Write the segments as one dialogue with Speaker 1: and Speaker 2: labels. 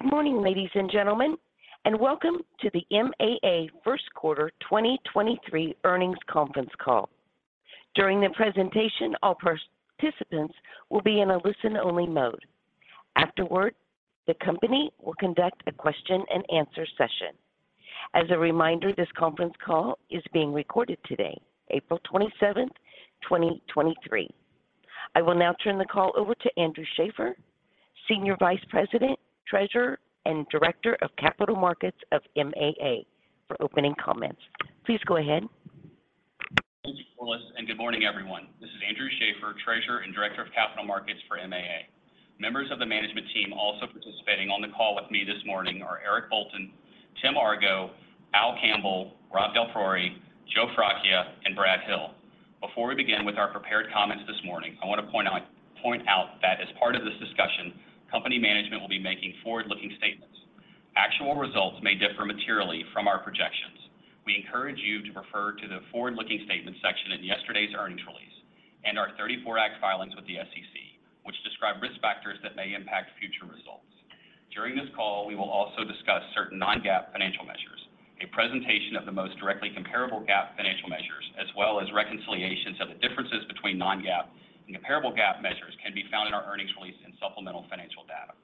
Speaker 1: Good morning, ladies and gentlemen, welcome to the MAA First Quarter 2023 Earnings Conference Call. During the presentation, all participants will be in a listen-only mode. Afterward, the company will conduct a question and answer session. As a reminder, this conference call is being recorded today, April 27th, 2023. I will now turn the call over to Andrew Schaeffer, Senior Vice President, Treasurer, and Director of Capital Markets of MAA for opening comments. Please go ahead.
Speaker 2: Thank you, Corliss. Good morning, everyone. This is Andrew Schaeffer, Treasurer and Director of Capital Markets for MAA. Members of the management team also participating on the call with me this morning are Eric Bolton, Tim Argo, Al Campbell, Rob DelPriore, Joe Fracchia, and Brad Hill. Before we begin with our prepared comments this morning, I want to point out that as part of this discussion, company management will be making forward-looking statements. Actual results may differ materially from our projections. We encourage you to refer to the forward-looking statements section in yesterday's earnings release and our '34 Act filings with the SEC, which describe risk factors that may impact future results. During this call, we will also discuss certain non-GAAP financial measures. A presentation of the most directly comparable GAAP financial measures, as well as reconciliations of the differences between non-GAAP and comparable GAAP measures, can be found in our earnings release and supplemental financial data.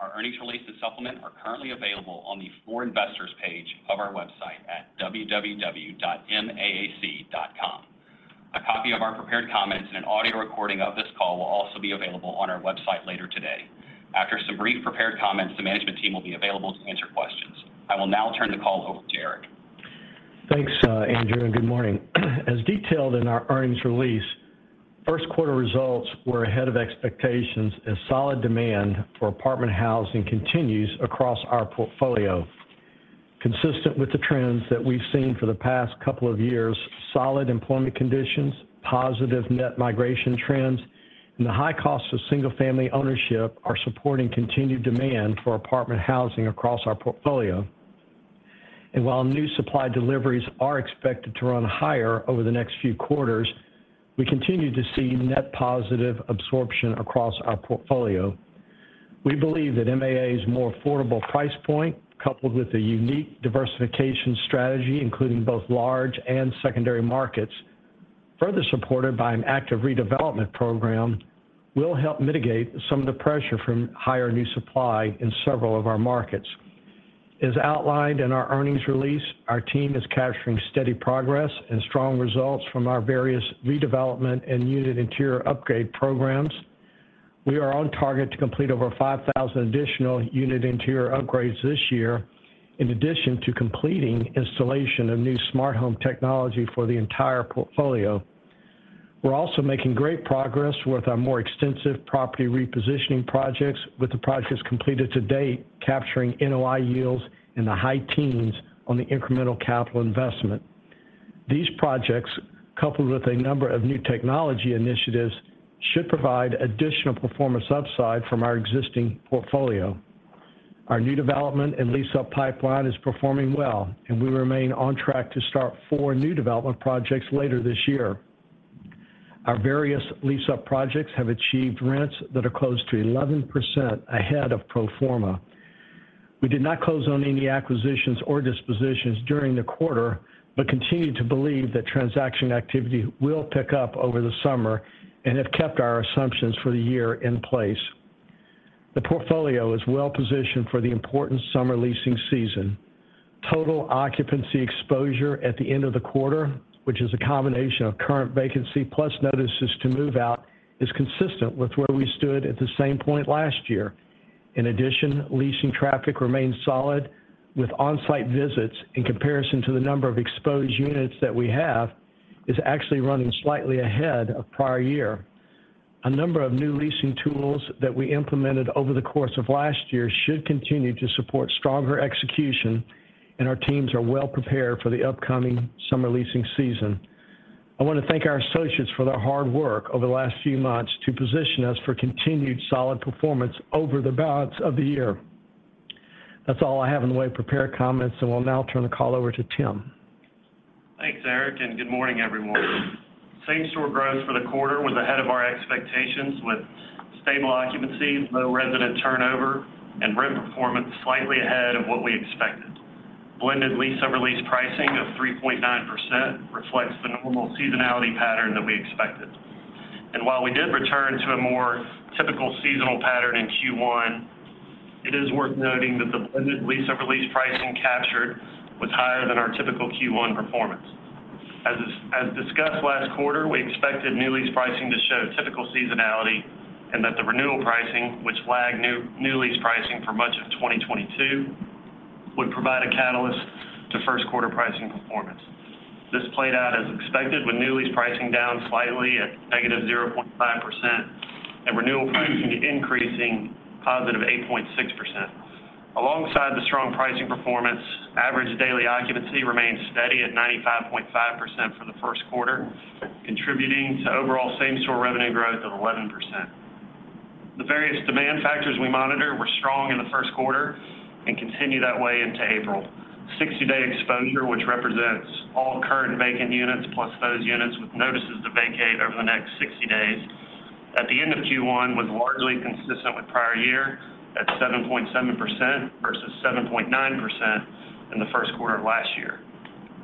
Speaker 2: Our earnings release and supplement are currently available on the For Investors page of our website at www.maac.com. A copy of our prepared comments and an audio recording of this call will also be available on our website later today. After some brief prepared comments, the management team will be available to answer questions. I will now turn the call over to Eric.
Speaker 3: Thanks, Andrew, and good morning. As detailed in our earnings release, first quarter results were ahead of expectations as solid demand for apartment housing continues across our portfolio. Consistent with the trends that we've seen for the past couple of years, solid employment conditions, positive net migration trends, and the high cost of single-family ownership are supporting continued demand for apartment housing across our portfolio. While new supply deliveries are expected to run higher over the next few quarters, we continue to see net positive absorption across our portfolio. We believe that MAA's more affordable price point, coupled with a unique diversification strategy, including both large and secondary markets, further supported by an active redevelopment program, will help mitigate some of the pressure from higher new supply in several of our markets. As outlined in our earnings release, our team is capturing steady progress and strong results from our various redevelopment and unit interior upgrade programs. We are on target to complete over 5,000 additional unit interior upgrades this year, in addition to completing installation of new smart home technology for the entire portfolio. We're also making great progress with our more extensive property repositioning projects, with the projects completed to date capturing NOI yields in the high teens on the incremental capital investment. These projects, coupled with a number of new technology initiatives, should provide additional performance upside from our existing portfolio. Our new development and lease-up pipeline is performing well, and we remain on track to start four new development projects later this year. Our various lease-up projects have achieved rents that are close to 11% ahead of pro forma. We did not close on any acquisitions or dispositions during the quarter, but continue to believe that transaction activity will pick up over the summer and have kept our assumptions for the year in place. The portfolio is well positioned for the important summer leasing season. Total occupancy exposure at the end of the quarter, which is a combination of current vacancy plus notices to move out, is consistent with where we stood at the same point last year. In addition, leasing traffic remains solid, with on-site visits in comparison to the number of exposed units that we have is actually running slightly ahead of prior year. A number of new leasing tools that we implemented over the course of last year should continue to support stronger execution, and our teams are well prepared for the upcoming summer leasing season. I want to thank our associates for their hard work over the last few months to position us for continued solid performance over the balance of the year. That's all I have in the way of prepared comments. We'll now turn the call over to Tim.
Speaker 4: Thanks, Eric. Good morning, everyone. Same store growth for the quarter was ahead of our expectations with stable occupancy, low resident turnover, and rent performance slightly ahead of what we expected. Blended lease-over-lease pricing of 3.9% reflects the normal seasonality pattern that we expected. While we did return to a more typical seasonal pattern in Q1, it is worth noting that the blended lease-over-lease pricing captured was higher than our typical Q1 performance. As discussed last quarter, we expected new lease pricing to show typical seasonality and that the renewal pricing, which lagged new lease pricing for much of 2022, would provide a catalyst to first quarter pricing performance. This played out as expected with new lease pricing down slightly at negative 0.5% and renewal pricing increasing positive 8.6%. Alongside the strong pricing performance, average daily occupancy remained steady at 95.5% for the first quarter, contributing to overall same store revenue growth of 11%. The various demand factors we monitor were strong in the first quarter and continue that way into April. 60-day exposure, which represents all current vacant units plus those units with notices to vacate over the next 60 days. At the end of Q1 was largely consistent with prior year at 7.7% versus 7.9% in the first quarter of last year.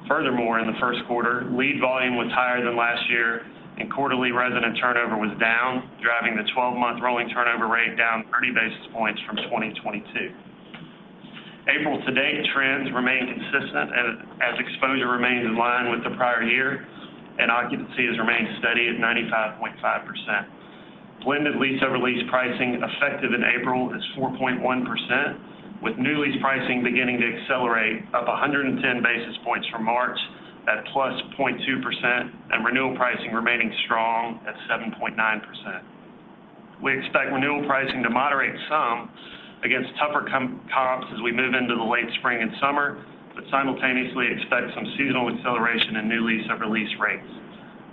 Speaker 4: In the first quarter, lead volume was higher than last year, and quarterly resident turnover was down, driving the 12-month rolling turnover rate down 30 basis points from 2022. April to date trends remain consistent as exposure remains in line with the prior year, and occupancy has remained steady at 95.5%. Blended lease-over-lease pricing effective in April is 4.1%, with new lease pricing beginning to accelerate up 110 basis points from March at +0.2% and renewal pricing remaining strong at 7.9%. We expect renewal pricing to moderate some against tougher comps as we move into the late spring and summer. Simultaneously expect some seasonal acceleration in new lease over lease rates.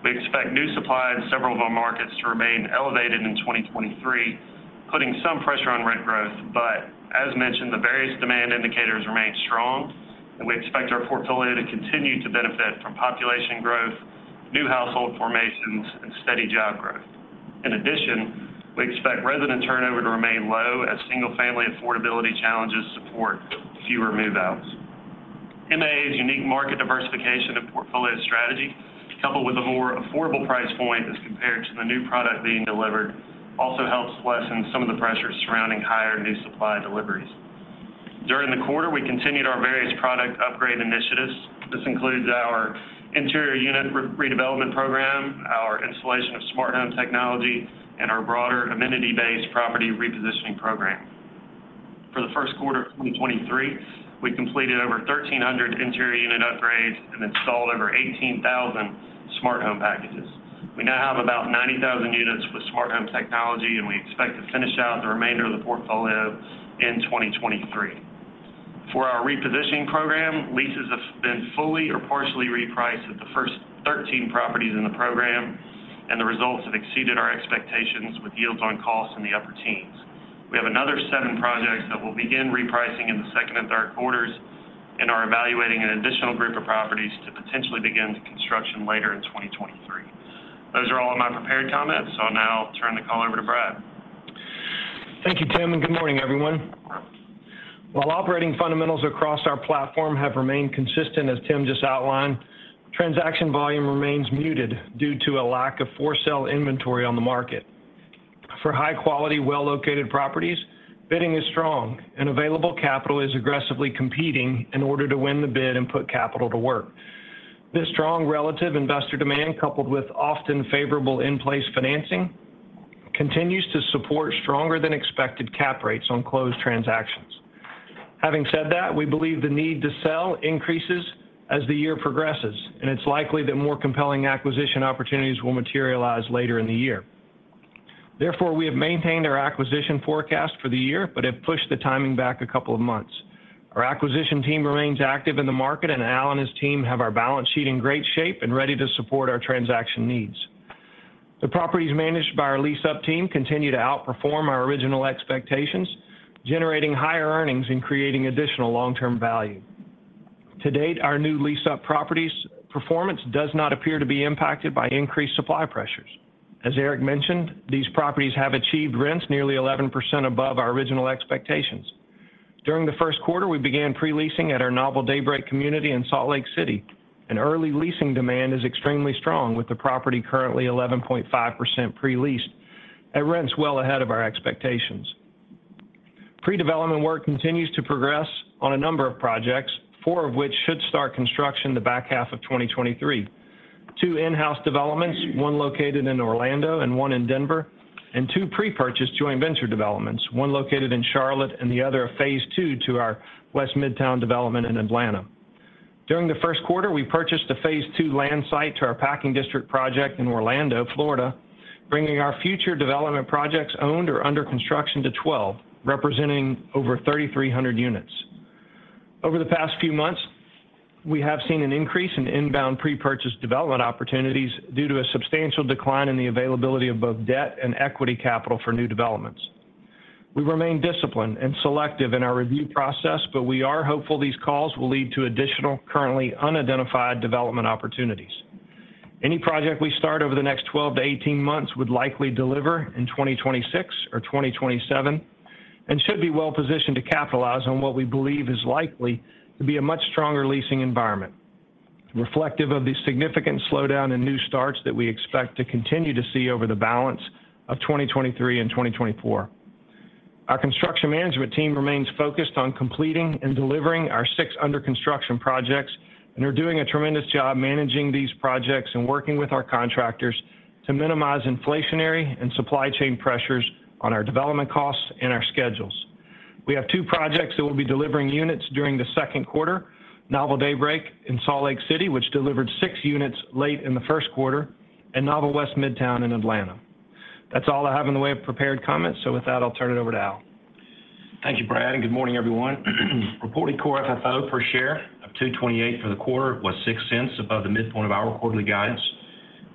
Speaker 4: We expect new supply in several of our markets to remain elevated in 2023, putting some pressure on rent growth. As mentioned, the various demand indicators remain strong. We expect our portfolio to continue to benefit from population growth, new household formations, and steady job growth. In addition, we expect resident turnover to remain low as single-family affordability challenges support fewer move-outs. MAA's unique market diversification and portfolio strategy, coupled with a more affordable price point as compared to the new product being delivered, also helps lessen some of the pressures surrounding higher new supply deliveries. During the quarter, we continued our various product upgrade initiatives. This includes our interior unit redevelopment program, our installation of smart home technology, and our broader amenity-based property repositioning program. For the first quarter of 2023, we completed over 1,300 interior unit upgrades and installed over 18,000 smart home packages. We now have about 90,000 units with smart home technology, and we expect to finish out the remainder of the portfolio in 2023. For our repositioning program, leases have been fully or partially repriced at the first 13 properties in the program, and the results have exceeded our expectations with yields on costs in the upper teens. We have another seven projects that will begin repricing in the second and third quarters and are evaluating an additional group of properties to potentially begin construction later in 2023. Those are all my prepared comments, so I'll now turn the call over to Brad.
Speaker 5: Thank you, Tim, and good morning, everyone. While operating fundamentals across our platform have remained consistent, as Tim just outlined, transaction volume remains muted due to a lack of for-sale inventory on the market. For high-quality, well-located properties, bidding is strong and available capital is aggressively competing in order to win the bid and put capital to work. This strong relative investor demand, coupled with often favorable in-place financing, continues to support stronger than expected cap rates on closed transactions. Having said that, we believe the need to sell increases as the year progresses, and it's likely that more compelling acquisition opportunities will materialize later in the year. Therefore, we have maintained our acquisition forecast for the year but have pushed the timing back two months. Our acquisition team remains active in the market, and Al and his team have our balance sheet in great shape and ready to support our transaction needs. The properties managed by our lease-up team continue to outperform our original expectations, generating higher earnings and creating additional long-term value. To date, our new lease-up properties performance does not appear to be impacted by increased supply pressures. As Eric mentioned, these properties have achieved rents nearly 11% above our original expectations. During the first quarter, we began pre-leasing at our NOVEL Daybreak community in Salt Lake City, and early leasing demand is extremely strong, with the property currently 11.5% pre-leased at rents well ahead of our expectations. Pre-development work continues to progress on a number of projects, four of which should start construction in the back half of 2023. two in-house developments, one located in Orlando and one in Denver, and two pre-purchased joint venture developments, one located in Charlotte and the other a phase II to our West Midtown development in Atlanta. During the first quarter, we purchased a phase two land site to our Packing District project in Orlando, Florida, bringing our future development projects owned or under construction to 12, representing over 3,300 units. Over the past few months, we have seen an increase in inbound pre-purchase development opportunities due to a substantial decline in the availability of both debt and equity capital for new developments. We remain disciplined and selective in our review process. We are hopeful these calls will lead to additional currently unidentified development opportunities. Any project we start over the next 12 to 18 months would likely deliver in 2026 or 2027 and should be well positioned to capitalize on what we believe is likely to be a much stronger leasing environment, reflective of the significant slowdown in new starts that we expect to continue to see over the balance of 2023 and 2024. Our construction management team remains focused on completing and delivering our six under-construction projects and are doing a tremendous job managing these projects and working with our contractors to minimize inflationary and supply chain pressures on our development costs and our schedules. We have two projects that will be delivering units during the second quarter, NOVEL Daybreak in Salt Lake City, which delivered six units late in the first quarter, and NOVEL West Midtown in Atlanta. That's all I have in the way of prepared comments. With that, I'll turn it over to Al.
Speaker 6: Thank you, Brad. Good morning, everyone. Reported Core FFO per share of $2.28 for the quarter was $0.06 above the midpoint of our quarterly guidance.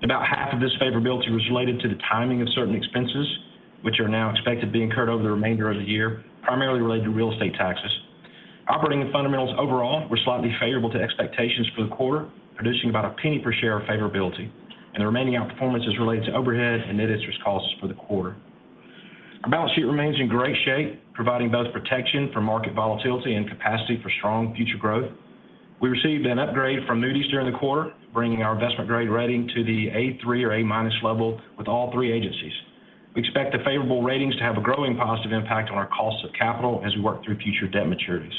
Speaker 6: About half of this favorability was related to the timing of certain expenses, which are now expected to be incurred over the remainder of the year, primarily related to real estate taxes. Operating and fundamentals overall were slightly favorable to expectations for the quarter, producing about $0.01 per share of favorability. The remaining outperformance is related to overhead and net interest costs for the quarter. Our balance sheet remains in great shape, providing both protection for market volatility and capacity for strong future growth. We received an upgrade from Moody's during the quarter, bringing our investment grade rating to the A3 or A- level with all three agencies. We expect the favorable ratings to have a growing positive impact on our cost of capital as we work through future debt maturities.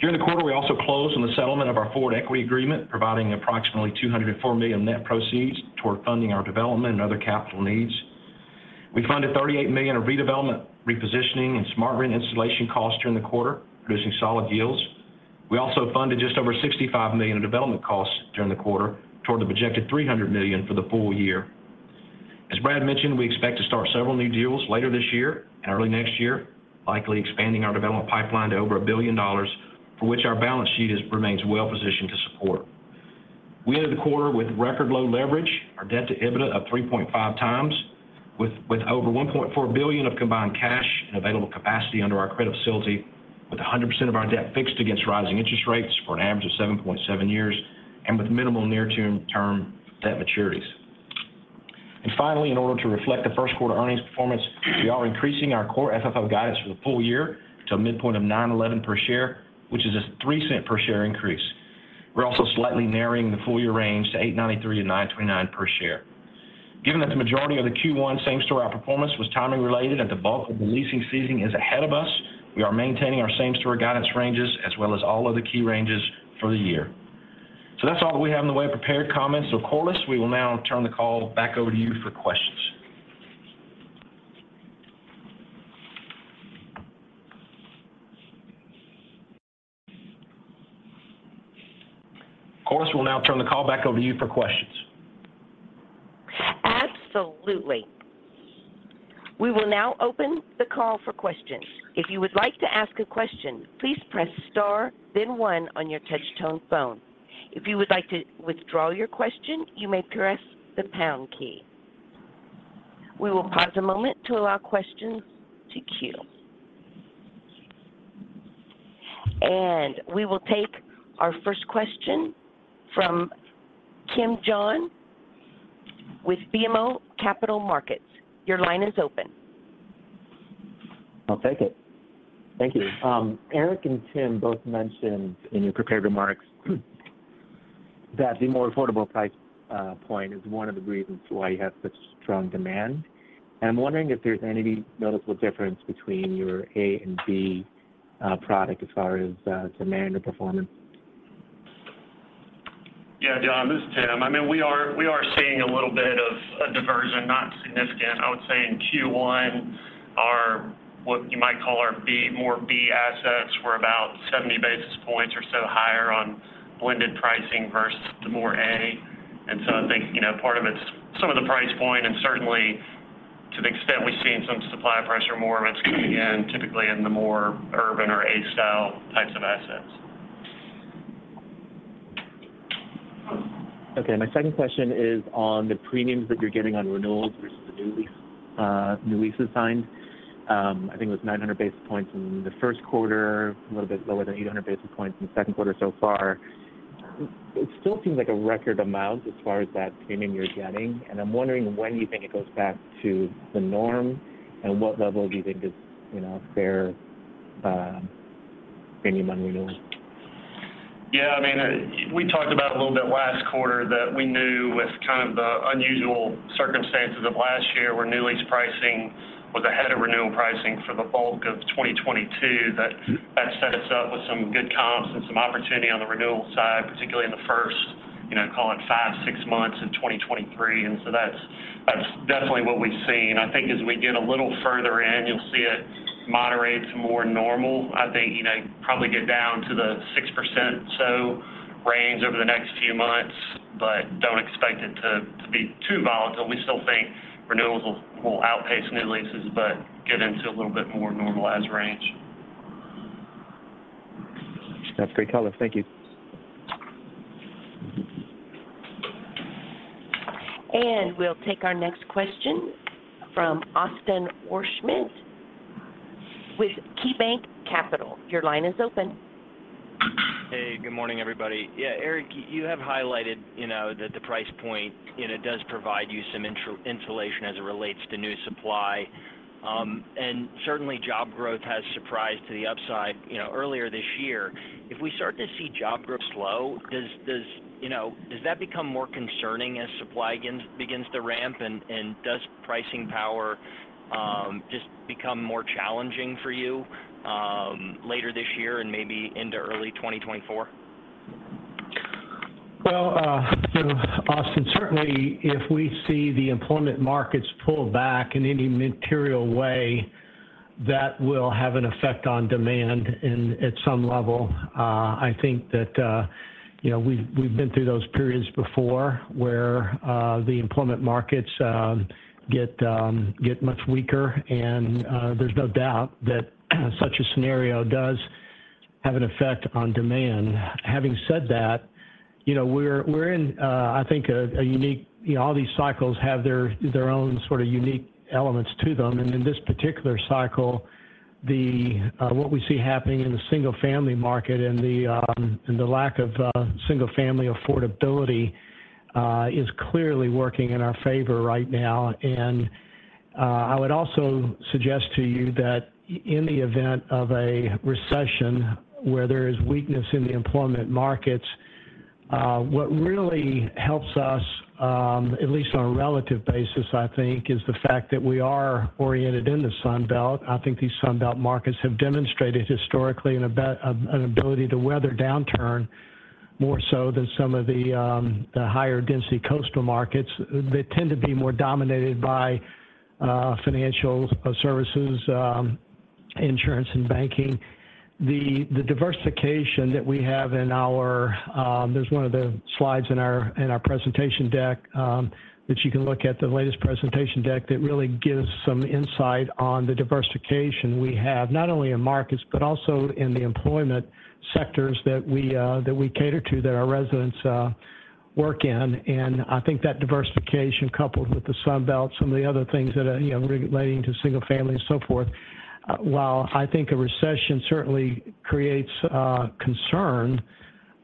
Speaker 6: During the quarter, we also closed on the settlement of our forward equity agreement, providing approximately $204 million net proceeds toward funding our development and other capital needs. We funded $38 million of redevelopment, repositioning, and SmartRent installation costs during the quarter, producing solid yields. We also funded just over $65 million in development costs during the quarter toward the projected $300 million for the full year. As Brad mentioned, we expect to start several new deals later this year and early next year, likely expanding our development pipeline to over $1 billion, for which our balance sheet remains well positioned to support. We ended the quarter with record low leverage. Our debt to EBITDA of 3.5x with over $1.4 billion of combined cash and available capacity under our credit facility, with 100% of our debt fixed against rising interest rates for an average of 7.7 years and with minimal near-term debt maturities. Finally, in order to reflect the first quarter earnings performance, we are increasing our Core FFO guidance for the full year to a midpoint of $9.11 per share, which is a $0.03 per share increase. We're also slightly narrowing the full year range to $8.93-$9.29 per share. Given that the majority of the Q1 same-store outperformance was timing related and the bulk of the leasing season is ahead of us, we are maintaining our same-store guidance ranges as well as all other key ranges for the year. That's all we have in the way of prepared comments. Corliss, we will now turn the call back over to you for questions. Corliss, we'll now turn the call back over to you for questions.
Speaker 1: Absolutely. We will now open the call for questions. If you would like to ask a question, please press star then one on your touch tone phone. If you would like to withdraw your question, you may press the pound key. We will pause a moment to allow questions to queue. We will take our first question from John Kim with BMO Capital Markets. Your line is open.
Speaker 7: I'll take it. Thank you. Eric and Tim both mentioned in your prepared remarks that the more affordable price point is one of the reasons why you have such strong demand. I'm wondering if there's any noticeable difference between your A and B product as far as demand or performance.
Speaker 4: Yeah, John, this is Tim. I mean, we are seeing a little bit of a diversion, not significant. I would say in Q1 what you might call our B, more B assets were about 70 basis points or so higher on blended pricing versus the more A. I think, you know, part of it's some of the price point and certainly to the extent we've seen some supply pressure, more of it's been in, typically in the more urban or A-style types of assets.
Speaker 7: Okay. My second question is on the premiums that you're getting on renewals versus the new lease, new leases signed. I think it was 900 basis points in the first quarter, a little bit lower than 800 basis points in the second quarter so far. It still seems like a record amount as far as that premium you're getting, I'm wondering when you think it goes back to the norm and what level do you think is, you know, fair, premium on renewals?
Speaker 6: Yeah, I mean, we talked about a little bit last quarter that we knew with kind of the unusual circumstances of last year where new lease pricing was ahead of renewal pricing for the bulk of 2022, that that set us up with some good comps and some opportunity on the renewal side, particularly in the first, you know, call it five, six months of 2023. That's, that's definitely what we've seen. I think as we get a little further in, you'll see it moderate to more normal. I think, you know, probably get down to the 6% or so range over the next few months, but don't expect it to be too volatile. We still think renewals will outpace new leases but get into a little bit more normalized range.
Speaker 7: That's great color. Thank you.
Speaker 1: We'll take our next question from Austin Wurschmidt with KeyBanc Capital. Your line is open.
Speaker 8: Hey. Good morning, everybody. Yeah, Eric, you have highlighted, you know, that the price point, you know, does provide you some insulation as it relates to new supply, certainly job growth has surprised to the upside, you know, earlier this year. If we start to see job growth slow, does you know, does that become more concerning as supply begins to ramp? Does pricing power just become more challenging for you later this year and maybe into early 2024?
Speaker 3: Well, you know, Austin, certainly if we see the employment markets pull back in any material way, that will have an effect on demand at some level. I think that, you know, we've been through those periods before, where the employment markets get much weaker and there's no doubt that such a scenario does have an effect on demand. Having said that, You know, all these cycles have their own sort of unique elements to them. In this particular cycle, the what we see happening in the single-family market and the and the lack of single-family affordability is clearly working in our favor right now. I would also suggest to you that in the event of a recession where there is weakness in the employment markets, what really helps us, at least on a relative basis, I think, is the fact that we are oriented in the Sun Belt. I think these Sun Belt markets have demonstrated historically an ability to weather downturn more so than some of the higher density coastal markets that tend to be more dominated by financial services, insurance and banking. The diversification that we have in our... There's one of the slides in our, in our presentation deck, that you can look at, the latest presentation deck that really gives some insight on the diversification we have, not only in markets, but also in the employment sectors that we cater to, that our residents work in. I think that diversification coupled with the Sun Belt, some of the other things that, you know, relating to single family and so forth, while I think a recession certainly creates concern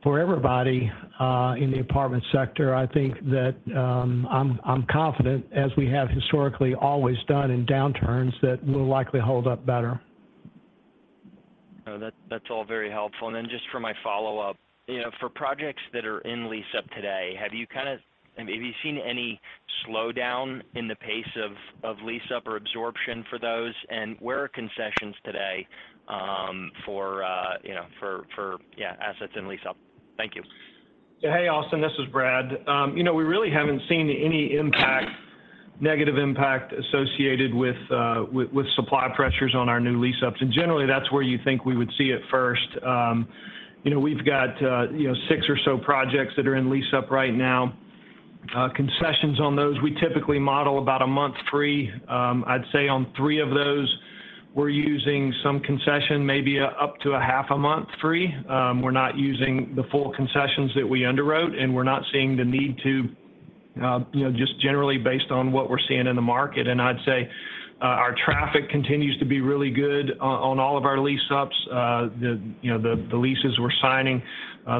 Speaker 3: for everybody in the apartment sector, I think that I'm confident as we have historically always done in downturns that we'll likely hold up better.
Speaker 8: No. That's all very helpful. Just for my follow-up, you know, for projects that are in lease-up today, have you seen any slowdown in the pace of lease-up or absorption for those? Where are concessions today, for, you know, yeah, assets in lease-up? Thank you.
Speaker 5: Hey, Austin, this is Brad. You know, we really haven't seen any impact, negative impact associated with supply pressures on our new lease-ups. Generally, that's where you think we would see it first. You know, we've got, you know, 6 or so projects that are in lease-up right now. Concessions on those, we typically model about a month free. I'd say on three of those, we're using some concession, maybe up to a half a month free. We're not using the full concessions that we underwrote, we're not seeing the need to, you know, just generally based on what we're seeing in the market. I'd say, our traffic continues to be really good on all of our lease-ups. The leases we're signing,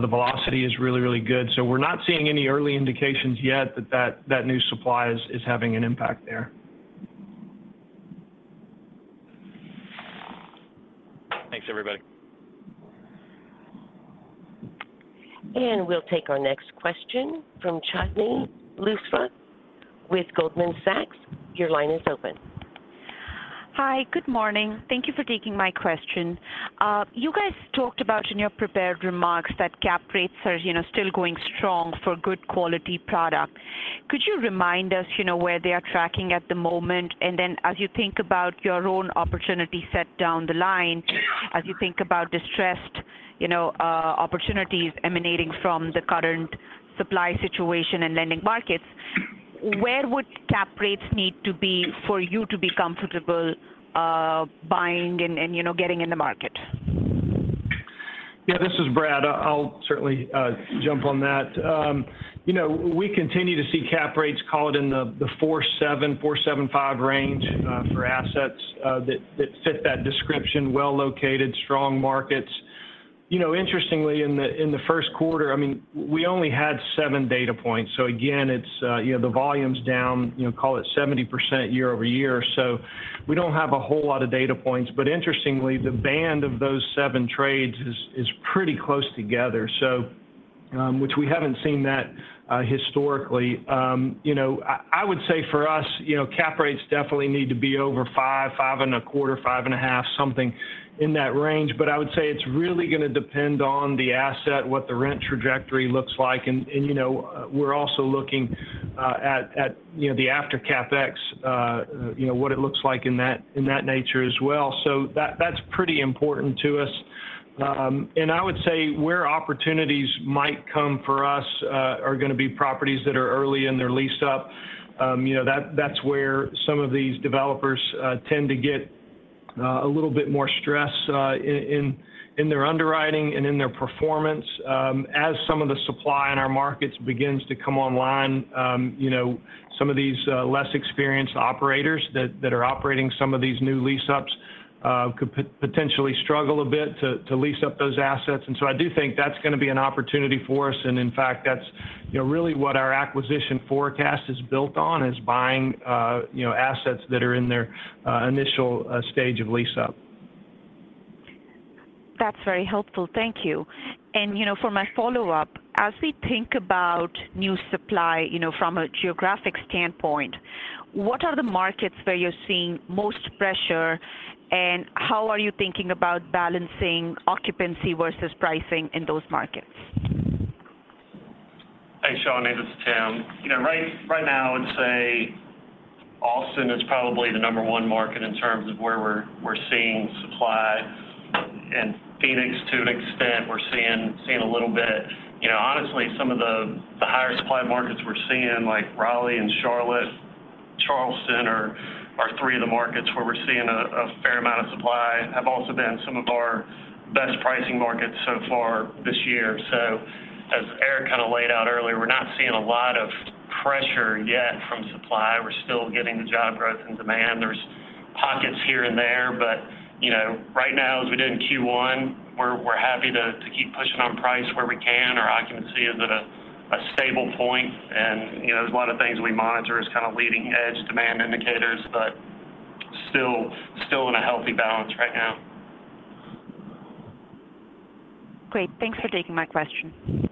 Speaker 5: the velocity is really, really good. We're not seeing any early indications yet that new supply is having an impact there.
Speaker 8: Thanks, everybody.
Speaker 1: We'll take our next question from Chandni Luthra with Goldman Sachs. Your line is open.
Speaker 9: Hi. Good morning. Thank you for taking my question. You guys talked about in your prepared remarks that cap rates are, you know, still going strong for good quality product? Could you remind us, you know, where they are tracking at the moment? As you think about your own opportunity set down the line, as you think about distressed, you know, opportunities emanating from the current supply situation and lending markets, where would cap rates need to be for you to be comfortable, buying and, you know, getting in the market?
Speaker 5: Yeah. This is Brad. I'll certainly jump on that. You know, we continue to see cap rates call it in the 4.7, 4.75 range for assets that fit that description, well located, strong markets. You know, interestingly, in the first quarter, I mean, we only had seven data points. Again, it's, you know, the volume's down, you know, call it 70% year-over-year. We don't have a whole lot of data points. Interestingly, the band of those seven trades is pretty close together, so which we haven't seen that historically. You know, I would say for us, you know, cap rates definitely need to be over five and a quarter, five and a half, something in that range. I would say it's really gonna depend on the asset, what the rent trajectory looks like. We're also looking at, you know, the after CapEx, you know, what it looks like in that, in that nature as well. That's pretty important to us. I would say where opportunities might come for us, are gonna be properties that are early in their lease-up. You know, that's where some of these developers tend to get a little bit more stress in their underwriting and in their performance. As some of the supply in our markets begins to come online, you know, some of these less experienced operators that are operating some of these new lease-ups, could potentially struggle a bit to lease up those assets. I do think that's gonna be an opportunity for us. In fact, that's, you know, really what our acquisition forecast is built on, is buying, you know, assets that are in their initial stage of lease-up.
Speaker 9: That's very helpful. Thank you. You know, for my follow-up, as we think about new supply, you know, from a geographic standpoint, what are the markets where you're seeing most pressure, and how are you thinking about balancing occupancy versus pricing in those markets?
Speaker 4: Hey, Chandni, this is Tim. You know, right now, I would say Austin is probably the number one market in terms of where we're seeing supply. Phoenix to an extent, we're seeing a little bit. You know, honestly, some of the. Supply markets we're seeing like Raleigh and Charlotte, Charleston are three of the markets where we're seeing a fair amount of supply, have also been some of our best pricing markets so far this year. As Eric kind of laid out earlier, we're not seeing a lot of pressure yet from supply. We're still getting the job growth and demand. There's pockets here and there, but, you know, right now, as we did in Q1, we're happy to keep pushing on price where we can. Our occupancy is at a stable point. You know, there's a lot of things we monitor as kind of leading edge demand indicators, but still in a healthy balance right now.
Speaker 9: Great. Thanks for taking my question.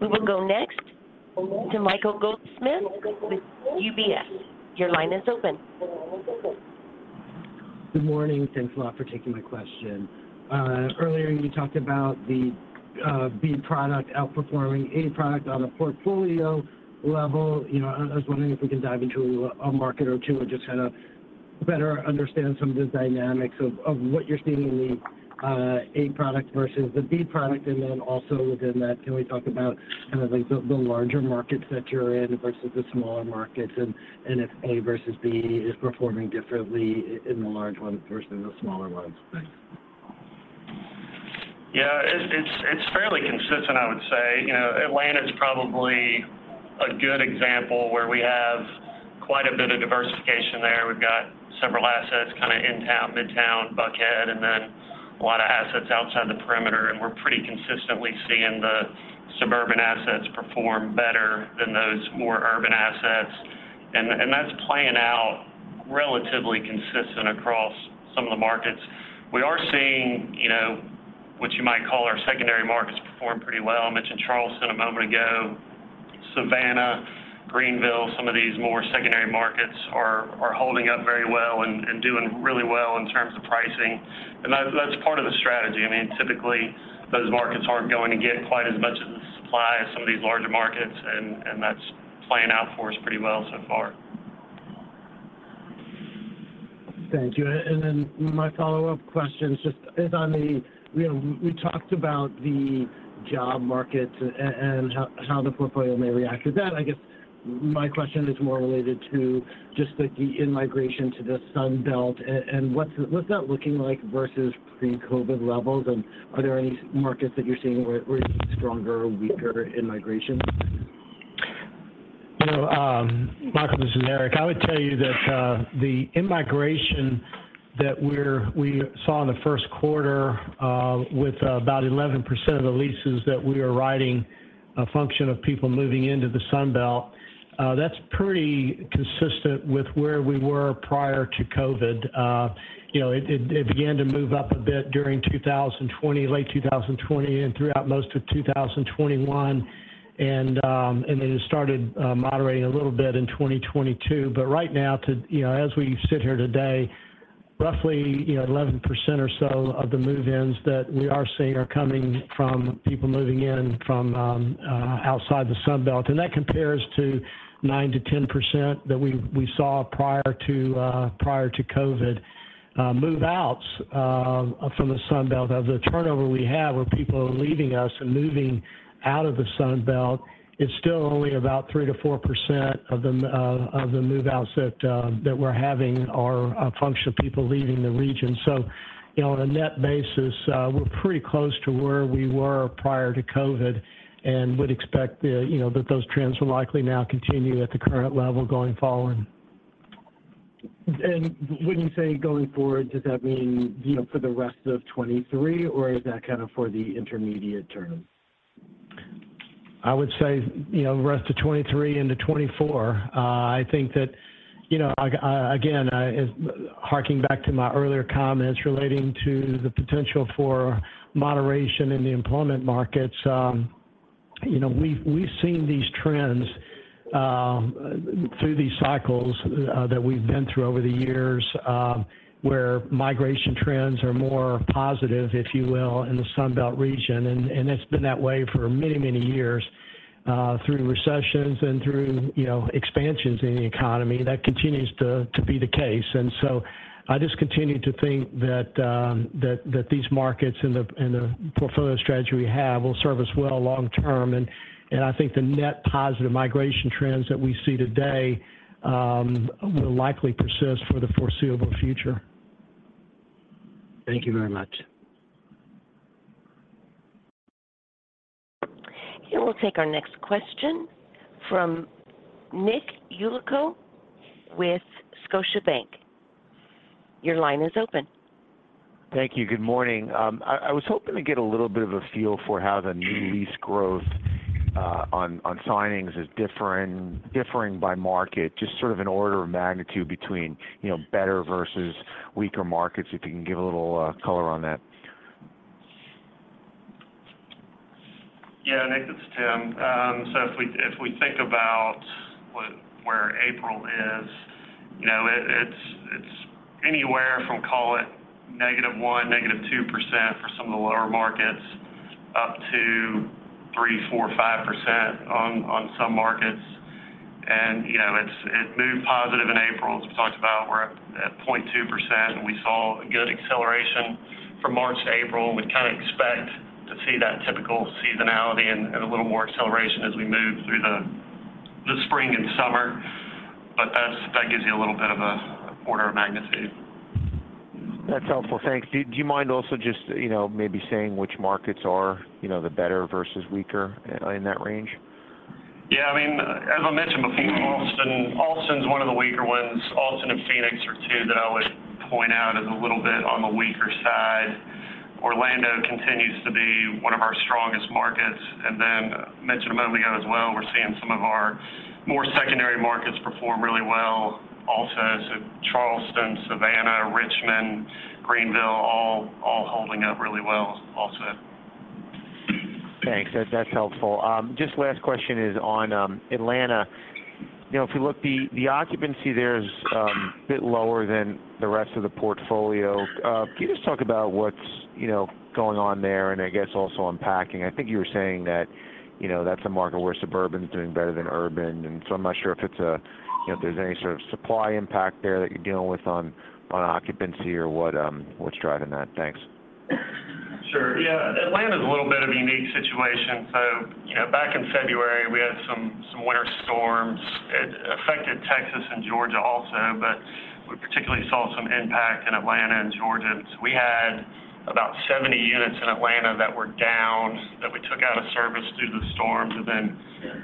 Speaker 1: We will go next to Michael Goldsmith with UBS. Your line is open.
Speaker 10: Good morning. Thanks a lot for taking my question. Earlier, you talked about the B product outperforming A product on a portfolio level. You know, I was wondering if we could dive into a market or two and just kind of better understand some of the dynamics of what you're seeing in the A product versus the B product. Also within that, can we talk about kind of like the larger markets that you're in versus the smaller markets, and if A versus B is performing differently in the large ones versus the smaller ones? Thanks.
Speaker 4: Yeah. It's fairly consistent, I would say. You know, Atlanta's probably a good example where we have quite a bit of diversification there. We've got several assets kind of in town, Midtown, Buckhead, and then a lot of assets outside the perimeter. We're pretty consistently seeing the suburban assets perform better than those more urban assets. That's playing out relatively consistent across some of the markets. We are seeing, you know, what you might call our secondary markets perform pretty well. I mentioned Charleston a moment ago. Savannah, Greenville, some of these more secondary markets are holding up very well and doing really well in terms of pricing. That's part of the strategy. I mean, typically, those markets aren't going to get quite as much of the supply as some of these larger markets, and that's playing out for us pretty well so far.
Speaker 10: Thank you. My follow-up question just is on the... You know, we talked about the job markets and how the portfolio may react to that. I guess my question is more related to just like the in-migration to the Sun Belt and what's that looking like versus pre-COVID levels, and are there any markets that you're seeing where you see stronger or weaker in-migration?
Speaker 3: You know, Michael, this is Eric. I would tell you that the in-migration that we saw in the first quarter, with about 11% of the leases that we are writing a function of people moving into the Sun Belt, that's pretty consistent with where we were prior to COVID. You know, it began to move up a bit during 2020, late 2020, and throughout most of 2021. It started moderating a little bit in 2022. Right now to, you know, as we sit here today, roughly, you know, 11% or so of the move-ins that we are seeing are coming from people moving in from outside the Sun Belt. That compares to 9%-10% that we saw prior to prior to COVID. Move-outs from the Sun Belt, of the turnover we have where people are leaving us and moving out of the Sun Belt, it's still only about 3%-4% of the move-outs that we're having are a function of people leaving the region. You know, on a net basis, we're pretty close to where we were prior to COVID and would expect, you know, that those trends will likely now continue at the current level going forward.
Speaker 10: When you say going forward, does that mean, you know, for the rest of 2023, or is that kind of for the intermediate term?
Speaker 3: I would say, you know, the rest of 2023 into 2024. I think that, you know, again, harking back to my earlier comments relating to the potential for moderation in the employment markets, you know, we've seen these trends through these cycles that we've been through over the years, where migration trends are more positive, if you will, in the Sun Belt region. It's been that way for many, many years, through recessions and through, you know, expansions in the economy. That continues to be the case. I just continue to think that these markets and the portfolio strategy we have will serve us well long term. I think the net positive migration trends that we see today will likely persist for the foreseeable future.
Speaker 10: Thank you very much.
Speaker 1: We'll take our next question from Nick Yulico with Scotiabank. Your line is open.
Speaker 11: Thank you. Good morning. I was hoping to get a little bit of a feel for how the new lease growth on signings is differing by market, just sort of an order of magnitude between, you know, better versus weaker markets, if you can give a little color on that.
Speaker 4: Yeah, Nick, it's Tim. If we think about where April is, you know, it's anywhere from, call it -1%, -2% for some of the lower markets, up to 3%, 4%, 5% on some markets. You know, it moved positive in April. As we talked about, we're up at 0.2%, and we saw a good acceleration from March to April. We kind of expect to see that typical seasonality and a little more acceleration as we move through the spring and summer. That gives you a little bit of a order of magnitude.
Speaker 11: That's helpful. Thanks. Do you mind also just, you know, maybe saying which markets are, you know, the better versus weaker in that range?
Speaker 4: Yeah. I mean, as I mentioned before, Austin. Austin's one of the weaker ones. Austin and Phoenix are two that I would point out as a little bit on the weaker side. Orlando continues to be one of our strongest markets. Mentioned a moment ago as well, we're seeing some of our more secondary markets perform really well also. Charleston, Savannah, Richmond, Greenville, all holding up really well also.
Speaker 11: Thanks. That's helpful. Just last question is on Atlanta. You know, if you look, the occupancy there is a bit lower than the rest of the portfolio. Can you just talk about what's, you know, going on there and I guess also on Packing? I think you were saying that, you know, that's a market where suburban is doing better than urban, so I'm not sure if there's any sort of supply impact there that you're dealing with on occupancy or what's driving that. Thanks.
Speaker 4: Sure. Yeah. Atlanta's a little bit of a unique situation. You know, back in February, we had some winter storms. It affected Texas and Georgia also, but we particularly saw some impact in Atlanta and Georgia. We had about 70 units in Atlanta that were down, that we took out of service due to the storms and then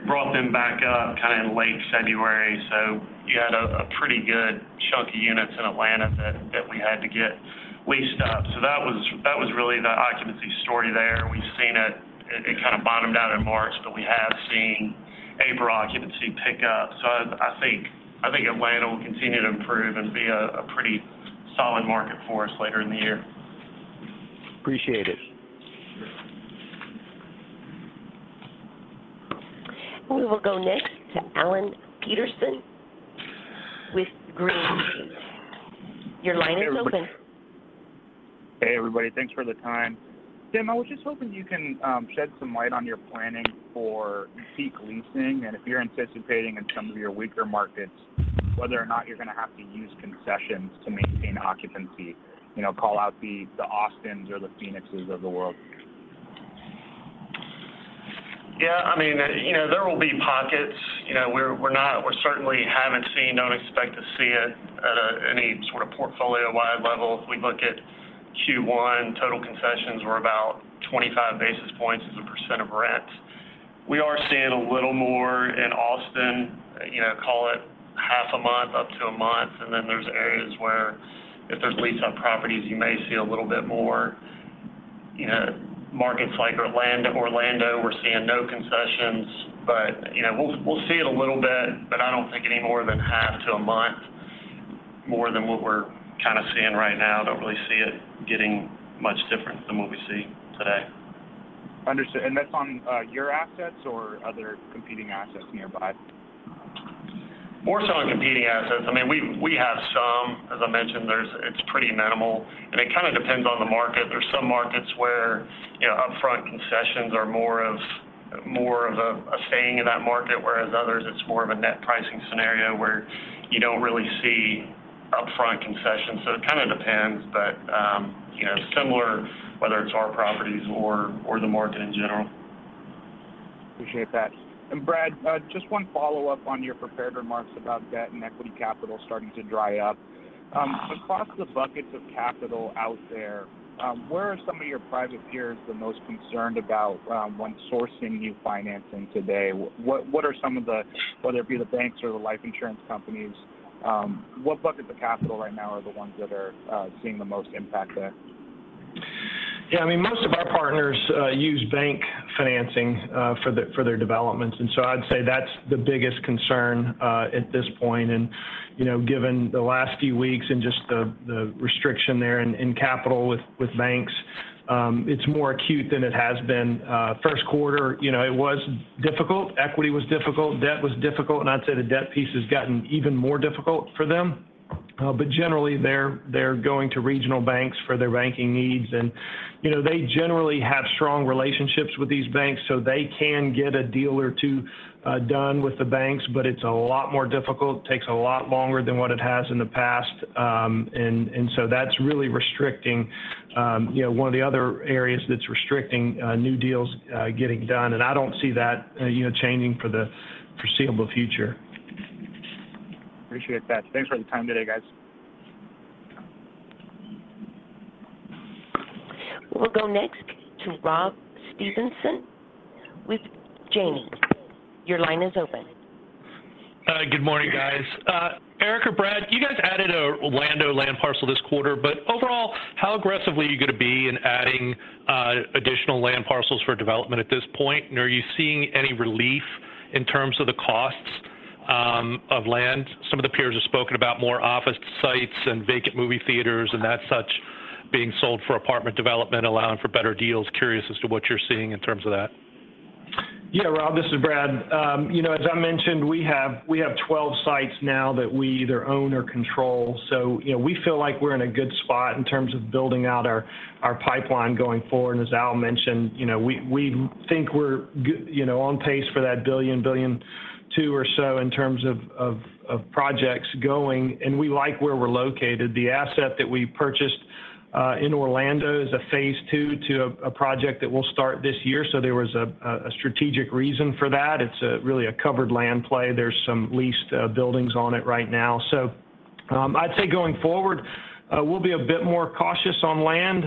Speaker 4: brought them back up kind of in late February. You had a pretty good chunk of units in Atlanta that we had to get leased up. That was really the occupancy story there. It kind of bottomed out in March, but we have seen April occupancy pick up. I think Atlanta will continue to improve and be a pretty solid market for us later in the year.
Speaker 11: Appreciate it.
Speaker 4: Sure.
Speaker 1: We will go next to Alan Peterson with Green Street.
Speaker 4: Hey, Alan.
Speaker 1: Your line is open.
Speaker 12: Hey, everybody. Thanks for the time. Tim, I was just hoping you can shed some light on your planning for peak leasing and if you're anticipating in some of your weaker markets whether or not you're gonna have to use concessions to maintain occupancy? You know, call out the Austins or the Phoenixes of the world.
Speaker 4: Yeah, I mean, you know, there will be pockets. You know, we certainly haven't seen, don't expect to see it at any sort of portfolio-wide level. If we look at Q1, total concessions were about 25 basis points as a % of rent. We are seeing a little more in Austin, you know, call it half a month up to a month. There's areas where if there's lease-up properties, you may see a little bit more. You know, markets like Orlando, we're seeing no concessions. You know, we'll see it a little bit, but I don't think any more than half to a month more than what we're kind of seeing right now. Don't really see it getting much different than what we see today.
Speaker 12: Understood. That's on, your assets or other competing assets nearby?
Speaker 4: More so on competing assets. I mean, we have some. As I mentioned, it's pretty minimal, and it kind of depends on the market. There's some markets where, you know, upfront concessions are more of a staying in that market, whereas others it's more of a net pricing scenario where you don't really see upfront concessions. It kind of depends, but, you know, similar whether it's our properties or the market in general.
Speaker 12: Appreciate that. Brad, just one follow-up on your prepared remarks about debt and equity capital starting to dry up. Across the buckets of capital out there, where are some of your private peers the most concerned about, when sourcing new financing today? What are some of the whether it be the banks or the life insurance companies, what buckets of capital right now are the ones that are seeing the most impact there?
Speaker 5: Yeah, I mean, most of our partners use bank financing for their developments, I'd say that's the biggest concern at this point. You know, given the last few weeks and just the restriction there in capital with banks, it's more acute than it has been. First quarter, you know, it was difficult. Equity was difficult. Debt was difficult. I'd say the debt piece has gotten even more difficult for them. Generally they're going to regional banks for their banking needs. You know, they generally have strong relationships with these banks, so they can get a deal or two done with the banks, but it's a lot more difficult. Takes a lot longer than what it has in the past. That's really restricting, you know, one of the other areas that's restricting, new deals, getting done. I don't see that, you know, changing for the foreseeable future.
Speaker 12: Appreciate that. Thanks for the time today, guys.
Speaker 1: We'll go next to Rob Stevenson with Janney. Your line is open.
Speaker 13: Good morning, guys. Eric or Brad, you guys added a Orlando land parcel this quarter, overall, how aggressively are you gonna be in adding additional land parcels for development at this point? Are you seeing any relief in terms of the costs of land? Some of the peers have spoken about more office sites and vacant movie theaters and that such being sold for apartment development, allowing for better deals. Curious as to what you're seeing in terms of that?
Speaker 5: Yeah, Rob, this is Brad. You know, as I mentioned, we have 12 sites now that we either own or control. You know, we feel like we're in a good spot in terms of building out our pipeline going forward. As Al mentioned, you know, we think we're on pace for that $1 billion-$1.2 billion or so in terms of projects going, and we like where we're located. The asset that we purchased in Orlando is a phase two to a project that will start this year. There was a strategic reason for that. It's a really a covered land play. There's some leased buildings on it right now. I'd say going forward, we'll be a bit more cautious on land.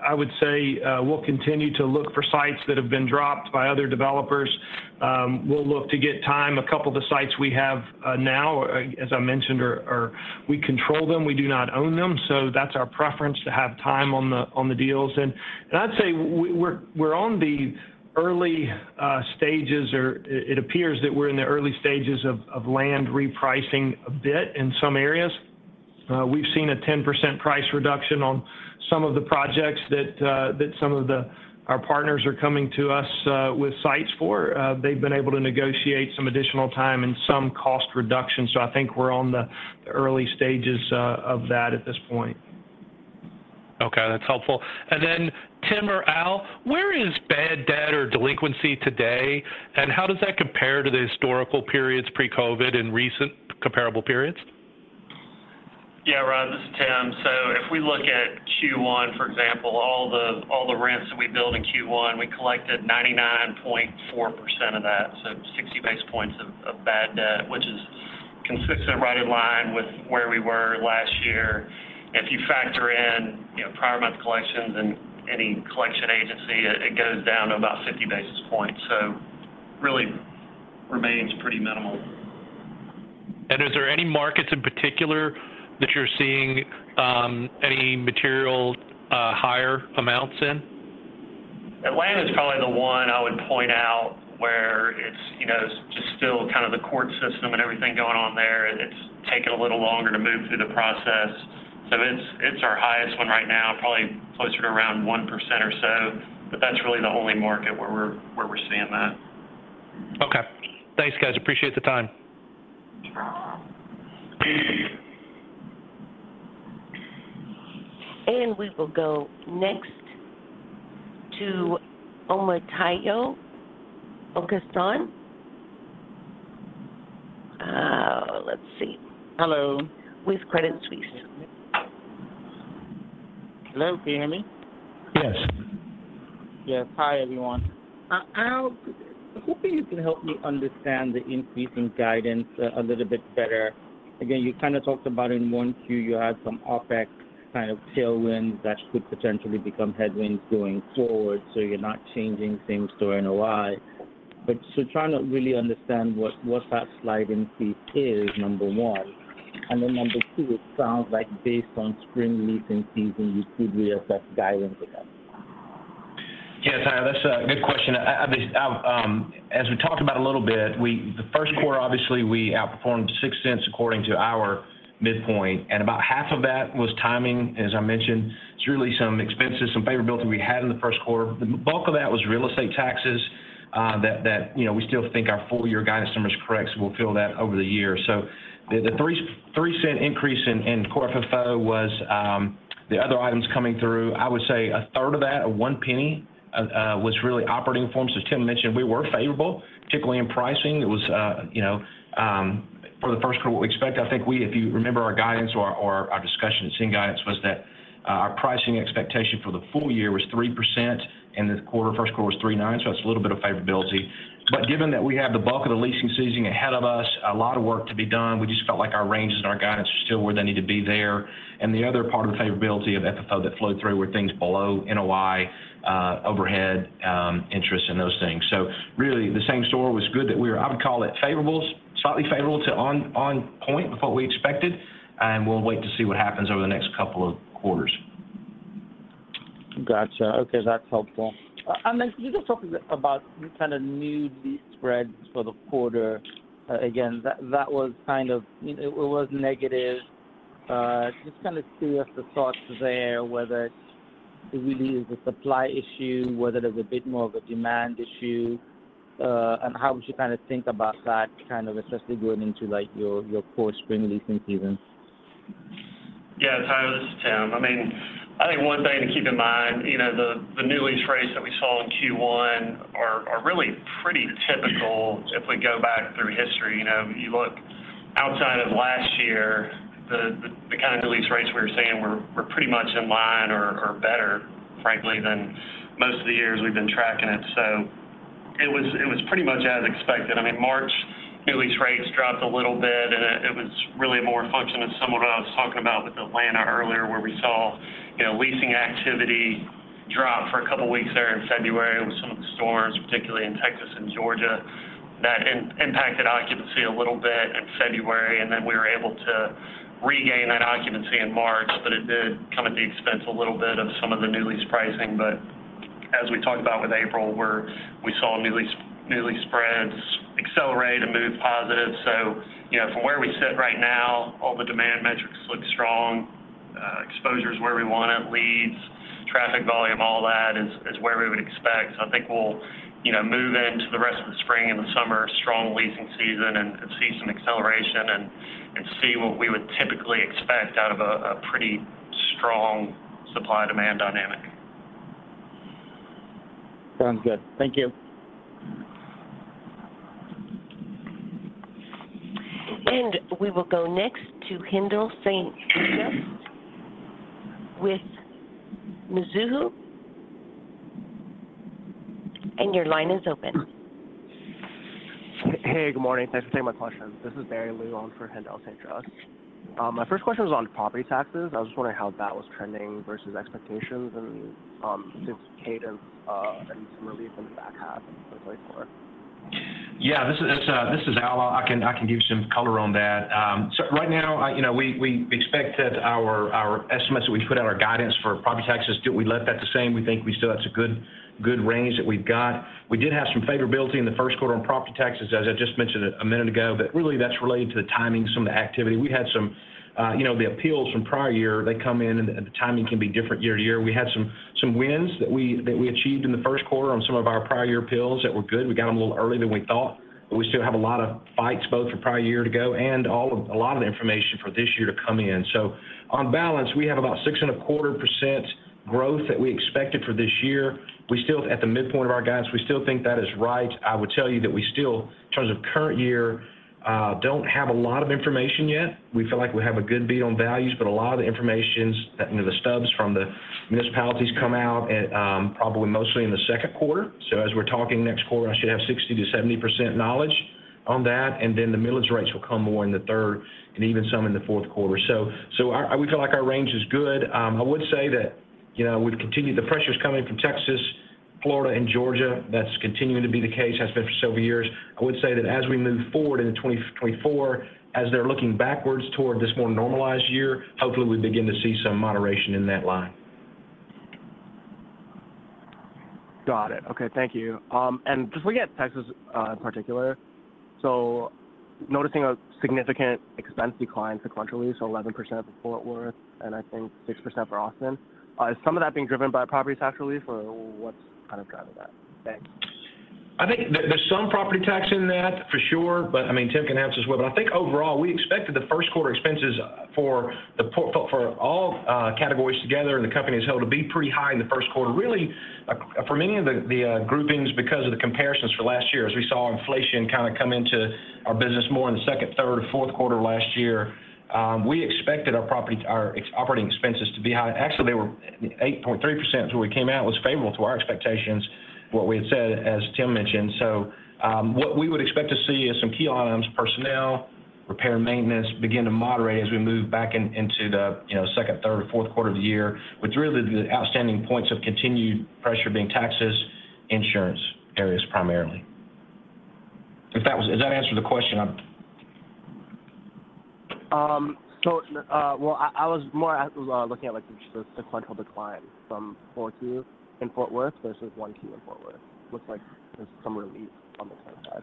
Speaker 5: I would say, we'll continue to look for sites that have been dropped by other developers. We'll look to get time. A couple of the sites we have now, as I mentioned, are we control them. We do not own them, so that's our preference to have time on the, on the deals. I'd say we're on the early stages, or it appears that we're in the early stages of land repricing a bit in some areas. We've seen a 10% price reduction on some of the projects that some of our partners are coming to us with sites for. They've been able to negotiate some additional time and some cost reduction, so I think we're on the early stages of that at this point.
Speaker 13: Okay, that's helpful. Tim or Al, where is bad debt or delinquency today, and how does that compare to the historical periods pre-COVID and recent comparable periods?
Speaker 4: Yeah, Rob, this is Tim. If we look at Q1, for example, all the rents that we billed in Q1, we collected 99.4% of that, 60 basis points of bad debt, which is consistent, right in line with where we were last year. If you factor in, you know, prior month collections and any collection agency, it goes down to about 50 basis points. Really remains pretty minimal.
Speaker 13: Is there any markets in particular that you're seeing, any material, higher amounts in?
Speaker 4: Atlanta is probably the one I would point out where it's, you know, just still kind of the court system and everything going on there. It's taking a little longer to move through the process. It's our highest one right now, probably closer to around 1% or so. That's really the only market where we're seeing that.
Speaker 13: Okay. Thanks, guys, appreciate the time.
Speaker 5: Sure.
Speaker 13: Thank you.
Speaker 1: We will go next to Omotayo Okusanya. Let's see.
Speaker 14: Hello.
Speaker 1: With Credit Suisse.
Speaker 14: Hello, can you hear me?
Speaker 5: Yes.
Speaker 14: Yes. Hi, everyone. Al, hoping you can help me understand the increase in guidance a little bit better. You kind of talked about in 1Q, you had some OpEx kind of tailwinds that could potentially become headwinds going forward, so you're not changing same store NOI. Trying to really understand what that slide increase is, number one. Number two, it sounds like based on spring leasing season, you could reassess guidance again.
Speaker 6: Yes. That's a good question. As we talked about a little bit, the first quarter, obviously, we outperformed $0.06 according to our midpoint, and about half of that was timing, as I mentioned. It's really some expenses, some favorability we had in the first quarter. The bulk of that was real estate taxes, you know, we still think our full year guidance number is correct, so we'll feel that over the year. The $0.03 increase in Core FFO was the other items coming through. I would say a third of that, or $0.01, was really operating forms. As Tim mentioned, we were favorable, particularly in pricing. It was, you know, for the first quarter, what we expect. I think if you remember our guidance or our discussion in seeing guidance was that our pricing expectation for the full year was 3%, this quarter, first quarter was 3.9%. That's a little bit of favorability. Given that we have the bulk of the leasing season ahead of us, a lot of work to be done, we just felt like our ranges and our guidance are still where they need to be there. The other part of the favorability of FFO that flowed through were things below NOI, overhead, interest and those things. Really, the same store was good, that I would call it favorable, slightly favorable to on point with what we expected, we'll wait to see what happens over the next couple of quarters.
Speaker 14: Gotcha. Okay, that's helpful. You just talked a bit about the kind of new lease spreads for the quarter. Again, that was negative. Just kind of curious the thoughts there, whether it really is a supply issue, whether there's a bit more of a demand issue, how would you kind of think about that kind of especially going into like your core spring leasing season?
Speaker 4: Yeah. Tayo, this is Tim. I mean, I think one thing to keep in mind, you know, the new lease rates that we saw in Q1 are really pretty typical if we go back through history. You know, you look outside of last year, the kind of new lease rates we were seeing were pretty much in line or better, frankly, than most of the years we've been tracking it. It was pretty much as expected. I mean, March new lease rates dropped a little bit, and it was really more a function of some of what I was talking about with Atlanta earlier, where we saw, you know, leasing activity drop for a couple of weeks there in February with some of the storms, particularly in Texas and Georgia. That impacted occupancy a little bit in February, and then we were able to regain that occupancy in March. It did come at the expense a little bit of some of the new lease pricing. As we talked about with April, where we saw new lease spreads accelerate and move positive. You know, from where we sit right now, all the demand metrics look strong, exposures where we want it, leads, traffic volume, all that is where we would expect. I think we'll, you know, move into the rest of the spring and the summer, strong leasing season, and see some acceleration and see what we would typically expect out of a pretty strong supply-demand dynamic.
Speaker 14: Sounds good. Thank you.
Speaker 1: We will go next to Haendel St. Juste with Mizuho. Your line is open.
Speaker 15: Hey, good morning. Thanks for taking my questions. This is Barry Luo on for Haendel St. Juste. My first question was on property taxes. I was wondering how that was trending versus expectations and, since cadence, and some relief in the back half and so forth.
Speaker 6: Yeah. This is Al. I can give you some color on that. Right now, you know, we expect that our estimates that we put out, our guidance for property taxes, we left that the same. We think we still, that's a good range that we've got. We did have some favorability in the first quarter on property taxes, as I just mentioned a minute ago. Really that's related to the timing of some of the activity. We had some, you know, the appeals from prior year, they come in and the timing can be different year to year. We had some wins that we achieved in the first quarter on some of our prior year appeals that were good. We got them a little earlier than we thought. We still have a lot of fights both from prior year to go and a lot of the information for this year to come in. On balance, we have about 6.25% growth that we expected for this year. At the midpoint of our guidance, we still think that is right. I would tell you that we still, in terms of current year, don't have a lot of information yet. We feel like we have a good beat on values, but a lot of the information's, you know, the stubs from the municipalities come out at probably mostly in the second quarter. As we're talking next quarter, I should have 60%-70% knowledge on that, and then the millage rates will come more in the third and even some in the fourth quarter. We feel like our range is good. I would say that, you know, we've continued the pressures coming from Texas, Florida and Georgia. That's continuing to be the case, has been for several years. I would say that as we move forward into 2024, as they're looking backwards toward this more normalized year, hopefully we begin to see some moderation in that line.
Speaker 15: Got it. Okay. Thank you. Just looking at Texas, in particular, noticing a significant expense decline sequentially, 11% for Fort Worth and I think 6% for Austin. Is some of that being driven by property tax relief or what's kind of driving that? Thanks.
Speaker 6: I think there's some property tax in that for sure, I mean, Tim Argo can answer as well. I think overall we expected the first quarter expenses for all categories together and the company as whole to be pretty high in the first quarter. Really for many of the groupings because of the comparisons for last year, as we saw inflation kind of come into our business more in the second, third and fourth quarter last year, we expected our property, our operating expenses to be high. Actually, they were 8.3% to where we came out, was favorable to our expectations, what we had said, as Tim Argo mentioned. What we would expect to see is some key items, personnel, repair and maintenance begin to moderate as we move back into the, you know, second, third or fourth quarter of the year. With really the outstanding points of continued pressure being taxes, insurance areas primarily. If that was... Does that answer the question?
Speaker 15: I was more at looking at the sequential decline from 4.2 in Fort Worth versus 1.2 in Fort Worth. Looks like there's some relief on the third side.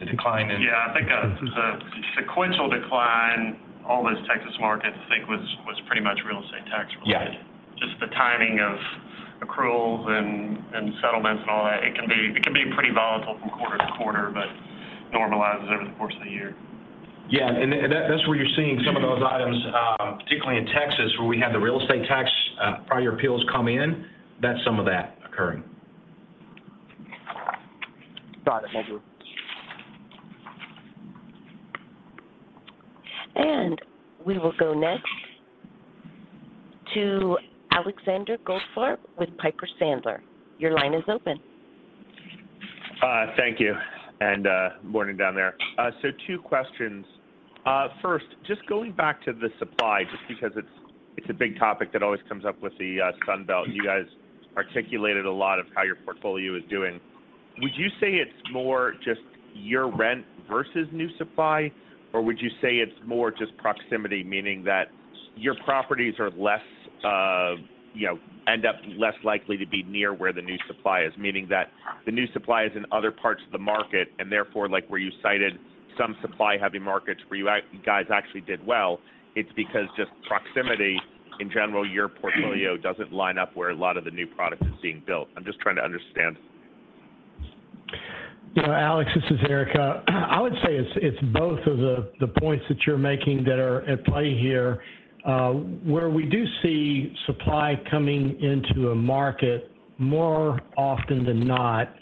Speaker 6: The decline
Speaker 4: I think, the sequential decline, all those Texas markets I think was pretty much real estate tax related.
Speaker 6: Yeah.
Speaker 4: Just the timing of accruals and settlements and all that. It can be pretty volatile from quarter to quarter, but normalizes over the course of the year.
Speaker 6: Yeah. That's where you're seeing some of those items, particularly in Texas, where we had the real estate tax, prior appeals come in. That's some of that occurring.
Speaker 15: Got it. Thank you.
Speaker 1: We will go next to Alexander Goldfarb with Piper Sandler. Your line is open.
Speaker 16: Thank you. Morning down there. Two questions. First, just going back to the supply, just because it's a big topic that always comes up with the Sun Belt. You guys articulated a lot of how your portfolio is doing. Would you say it's more just your rent versus new supply, or would you say it's more just proximity, meaning that your properties are less, you know, end up less likely to be near where the new supply is? Meaning that the new supply is in other parts of the market and therefore like where you cited some supply-heavy markets where you guys actually did well, it's because just proximity in general, your portfolio doesn't line up where a lot of the new product is being built. I'm just trying to understand.
Speaker 3: You know, Alex, this is Eric. I would say it's both of the points that you're making that are at play here. Where we do see supply coming into a market more often than not,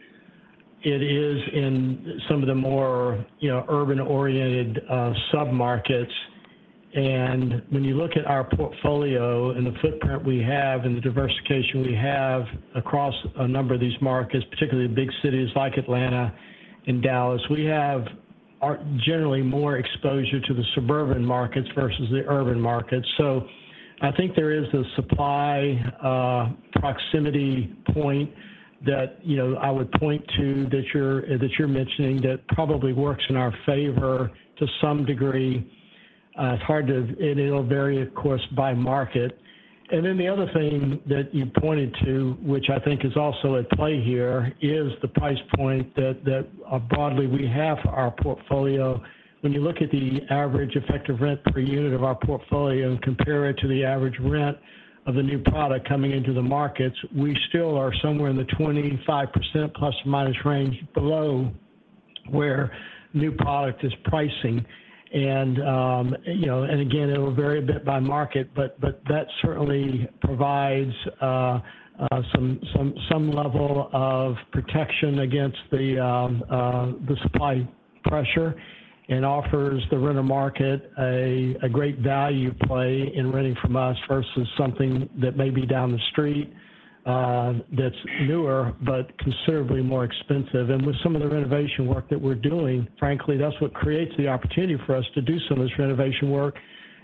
Speaker 3: it is in some of the more, you know, urban-oriented, submarkets. When you look at our portfolio and the footprint we have and the diversification we have across a number of these markets, particularly the big cities like Atlanta and Dallas, we have our generally more exposure to the suburban markets versus the urban markets. I think there is a supply, proximity point that, you know, I would point to that you're, that you're mentioning that probably works in our favor to some degree. It's hard to it'll vary of course, by market. Then the other thing that you pointed to, which I think is also at play here, is the price point that broadly we have our portfolio. When you look at the average effective rent per unit of our portfolio and compare it to the average rent of the new product coming into the markets, we still are somewhere in the 25% plus or minus range below where new product is pricing. You know, and again, it'll vary a bit by market, but that certainly provides some level of protection against the supply pressure and offers the renter market a great value play in renting from us versus something that may be down the street that's newer but considerably more expensive. With some of the renovation work that we're doing, frankly, that's what creates the opportunity for us to do some of this renovation work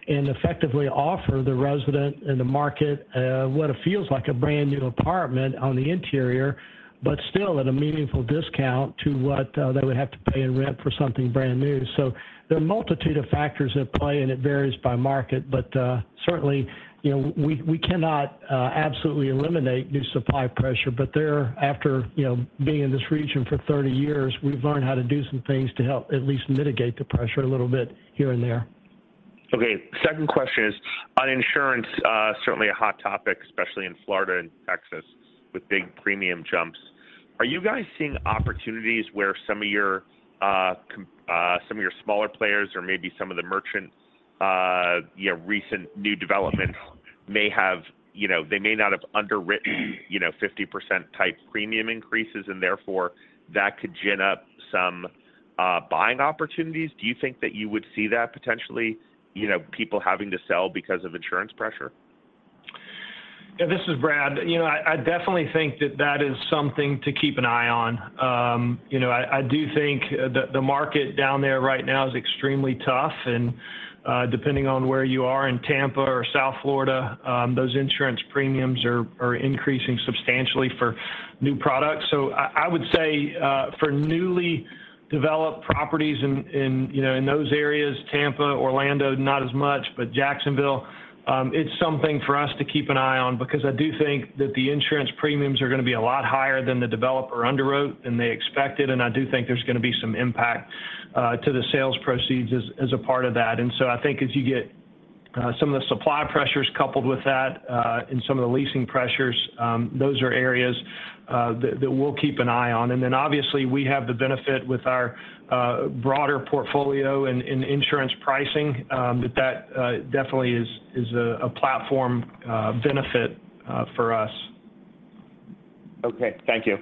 Speaker 3: and effectively offer the resident and the market, what it feels like a brand-new apartment on the interior, but still at a meaningful discount to what they would have to pay in rent for something brand new. There are a multitude of factors at play, and it varies by market. Certainly, you know, we cannot absolutely eliminate new supply pressure. There after, you know, being in this region for 30 years, we've learned how to do some things to help at least mitigate the pressure a little bit here and there.
Speaker 16: Okay. Second question is on insurance. Certainly a hot topic, especially in Florida and Texas with big premium jumps. Are you guys seeing opportunities where some of your smaller players or maybe some of the merchants, you know, recent new developments may have, they may not have underwritten 50% type premium increases and therefore that could gin up some buying opportunities? Do you think that you would see that potentially, you know, people having to sell because of insurance pressure?
Speaker 5: Yeah, this is Brad. You know, I definitely think that that is something to keep an eye on. You know, I do think the market down there right now is extremely tough. Depending on where you are in Tampa or South Florida, those insurance premiums are increasing substantially for new products. I would say, for newly developed properties in, you know, in those areas, Tampa, Orlando, not as much, but Jacksonville, it's something for us to keep an eye on because I do think that the insurance premiums are gonna be a lot higher than the developer underwrote and they expected, and I do think there's gonna be some impact to the sales proceeds as a part of that. I think as you get some of the supply pressures coupled with that, and some of the leasing pressures, those are areas that we'll keep an eye on. Obviously we have the benefit with our broader portfolio in insurance pricing. That definitely is a platform benefit for us.
Speaker 16: Okay. Thank you.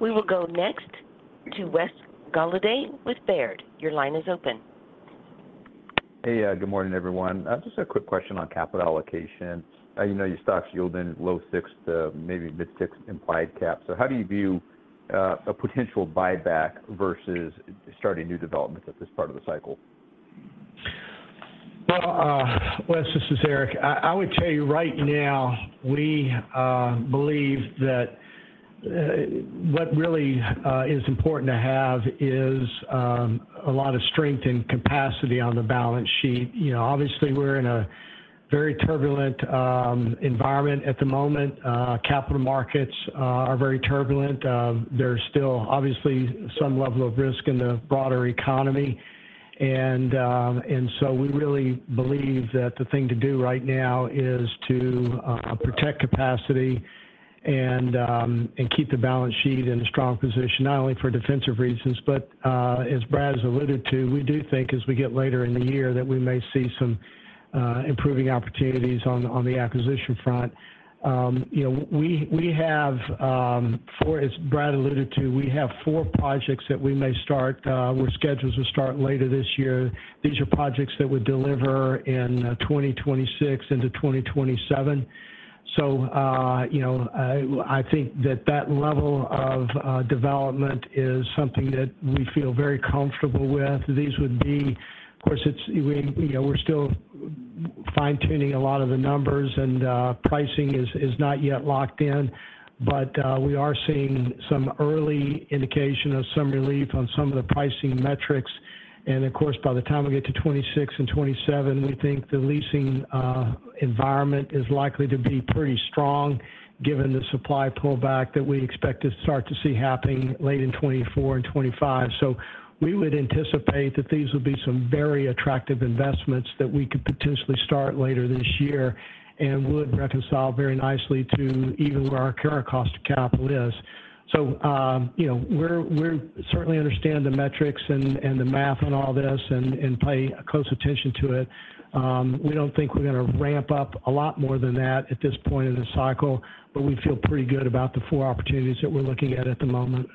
Speaker 1: We will go next to Wes Golladay with Baird. Your line is open.
Speaker 17: Hey, good morning, everyone. Just a quick question on capital allocation. You know, your stock's yielding low 6% to maybe mid-6% implied cap rate. How do you view a potential buyback versus starting new developments at this part of the cycle?
Speaker 3: Well, Wes, this is Eric. I would tell you right now, we believe that what really is important to have is a lot of strength and capacity on the balance sheet. You know, obviously we're in a very turbulent environment at the moment. Capital markets are very turbulent. There's still obviously some level of risk in the broader economy. So we really believe that the thing to do right now is to protect capacity and keep the balance sheet in a strong position, not only for defensive reasons but as Brad has alluded to, we do think as we get later in the year that we may see some improving opportunities on the acquisition front. You know, we have four... As Brad alluded to, we have four projects that we may start, we're scheduled to start later this year. These are projects that would deliver in 2026 into 2027. You know, I think that that level of development is something that we feel very comfortable with. Of course, you know, we're still fine-tuning a lot of the numbers and pricing is not yet locked in. We are seeing some early indication of some relief on some of the pricing metrics. Of course, by the time we get to 2026 and 2027, we think the leasing environment is likely to be pretty strong given the supply pullback that we expect to start to see happening late in 2024 and 2025. We would anticipate that these would be some very attractive investments that we could potentially start later this year and would reconcile very nicely to even where our current cost of capital is. you know, we're certainly understand the metrics and the math on all this and pay close attention to it. We don't think we're gonna ramp up a lot more than that at this point in the cycle, but we feel pretty good about the four opportunities that we're looking at at the moment.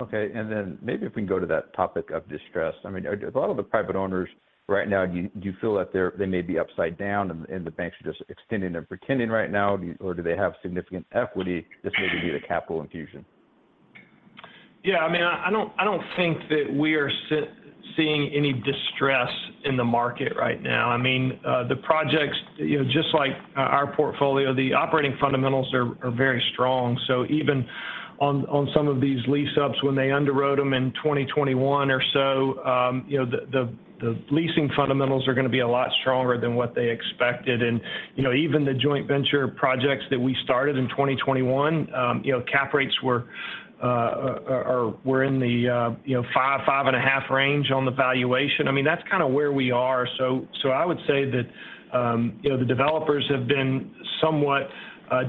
Speaker 17: Okay. Then maybe if we can go to that topic of distress. I mean, a lot of the private owners right now, do you feel that they may be upside down and the banks are just extending and pretending right now, or do they have significant equity that maybe need a capital infusion?
Speaker 3: Yeah. I mean, I don't think that we are. Seeing any distress in the market right now. I mean, the projects, you know, just like our portfolio, the operating fundamentals are very strong. Even on some of these lease ups when they underwrote them in 2021 or so, you know, the leasing fundamentals are going to be a lot stronger than what they expected. You know, even the joint venture projects that we started in 2021, you know, cap rates were in the, you know, 5-5.5% range on the valuation. I mean, that's kind of where we are. I would say that, you know, the developers have been somewhat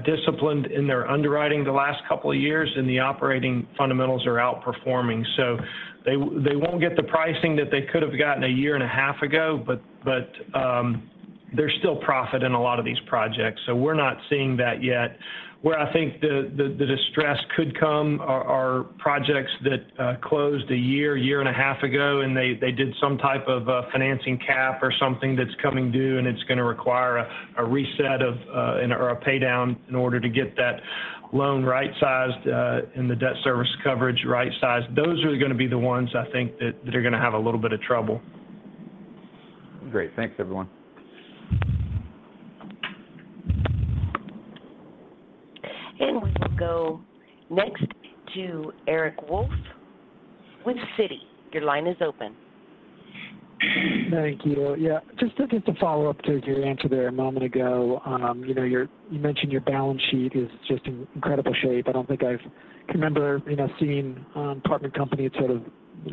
Speaker 3: disciplined in their underwriting the last couple of years, and the operating fundamentals are outperforming. They won't get the pricing that they could have gotten a year and a half ago. But they're still profit in a lot of these projects, so we're not seeing that yet. Where I think the distress could come are projects that closed a year and a half ago, and they did some type of financing cap or something that's coming due, and it's going to require a reset of or a pay down in order to get that loan right-sized and the debt service coverage right-sized. Those are going to be the ones, I think that are going to have a little bit of trouble.
Speaker 17: Great. Thanks everyone.
Speaker 1: We will go next to Eric Wolfe with Citi. Your line is open.
Speaker 18: Thank you. Yeah, just to follow up to your answer there a moment ago. You know, you mentioned your balance sheet is just in incredible shape. I don't think I can remember, you know, seeing, partner company at sort of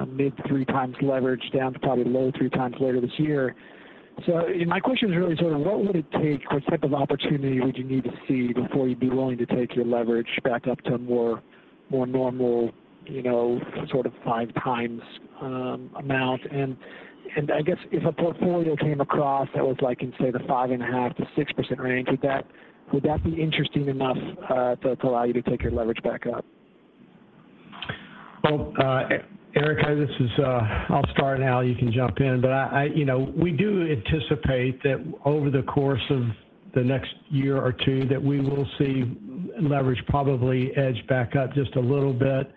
Speaker 18: mid three times leverage down to probably low three times later this year. My question is really sort of what would it take, what type of opportunity would you need to see before you'd be willing to take your leverage back up to a more, more normal, you know, sort of five times amount? I guess if a portfolio came across that was like in, say, the 5.5%-6% range, would that be interesting enough to allow you to take your leverage back up?
Speaker 3: Well, Eric, this is, I'll start, Al, you can jump in. I, you know, we do anticipate that over the course of the next year or two, that we will see leverage probably edge back up just a little bit.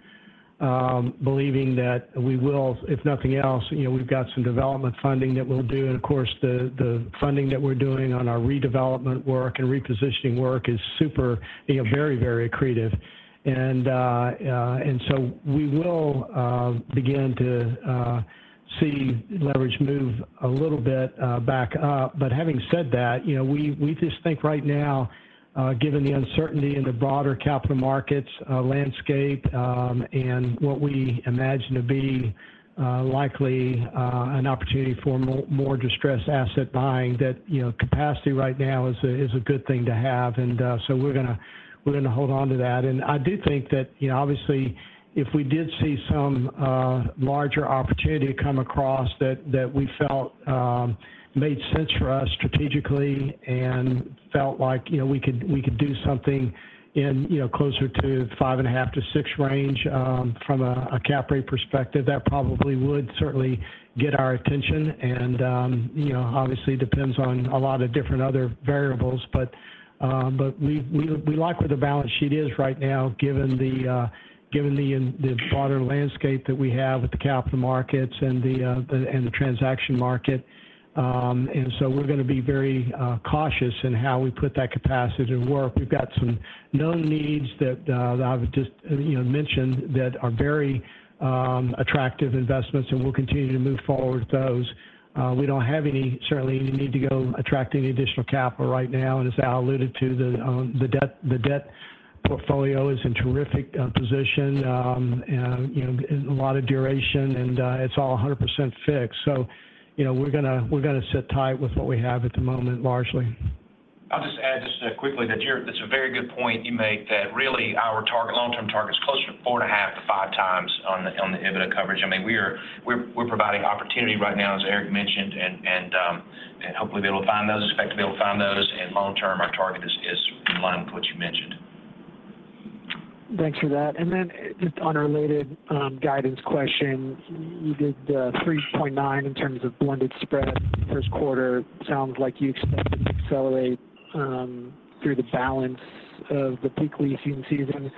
Speaker 3: Believing that we will if nothing else, you know, we've got some development funding that we'll do. Of course, the funding that we're doing on our redevelopment work and repositioning work is super, you know, very, very accretive. So we will begin to see leverage move a little bit back up. Having said that, you know, we just think right now, given the uncertainty in the broader capital markets landscape, and what we imagine to be likely an opportunity for more distressed asset buying, that, you know, capacity right now is a good thing to have. We're gonna hold on to that. I do think that, you know, obviously, if we did see some larger opportunity come across that we felt made sense for us strategically and felt like, you know, we could do something in, you know, closer to 5.5-6 range, from a cap rate perspective, that probably would certainly get our attention. You know, obviously depends on a lot of different other variables. We, we like where the balance sheet is right now given the given the broader landscape that we have with the capital markets and the and the transaction market. We're going to be very cautious in how we put that capacity to work. We've got some known needs that I've just, you know, mentioned that are very attractive investments, and we'll continue to move forward with those. We don't have any certainly need to go attract any additional capital right now. As Al alluded to, the debt, the debt portfolio is in terrific position, and, you know, a lot of duration and it's all 100% fixed. You know, we're gonna sit tight with what we have at the moment, largely.
Speaker 6: I'll just add just quickly that that's a very good point you make that really our long-term target is closer to 4.5 to five times on the EBITDA coverage. I mean, we're providing opportunity right now, as Eric mentioned. Hopefully we'll be able to find those, expect to be able to find those. Long term, our target is in line with what you mentioned.
Speaker 18: Thanks for that. Just on a related guidance question, you did the 3.9 in terms of blended spread first quarter. Sounds like you expect it to accelerate through the balance of the peak leasing season.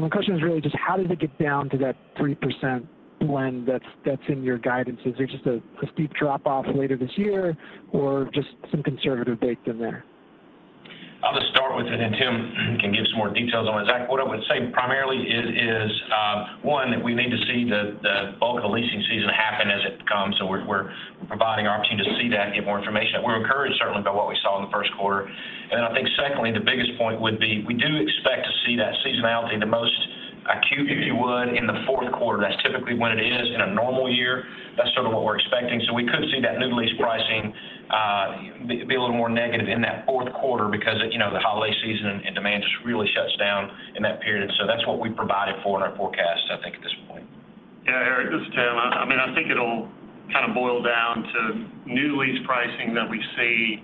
Speaker 18: My question is really just how does it get down to that 3% blend that's in your guidance? Is there just a steep drop off later this year or just some conservative baked in there?
Speaker 6: I'll just start with it. Tim can give some more details on it. What I would say primarily is, one, that we need to see the bulk of the leasing season happen as it comes. We're providing opportunity to see that and get more information. We're encouraged certainly by what we saw in the first quarter. I think Secondly, the biggest point would be we do expect to see that seasonality in the most acute, if you would, in the fourth quarter. That's typically when it is in a normal year. That's sort of what we're expecting. We could see that new lease pricing be a little more negative in that fourth quarter because, you know, the holiday season and demand just really shuts down in that period. That's what we provided for in our forecast, I think at this point.
Speaker 4: Yeah. Eric, this is Tim. I mean, I think it'll kind of boil down to new lease pricing that we see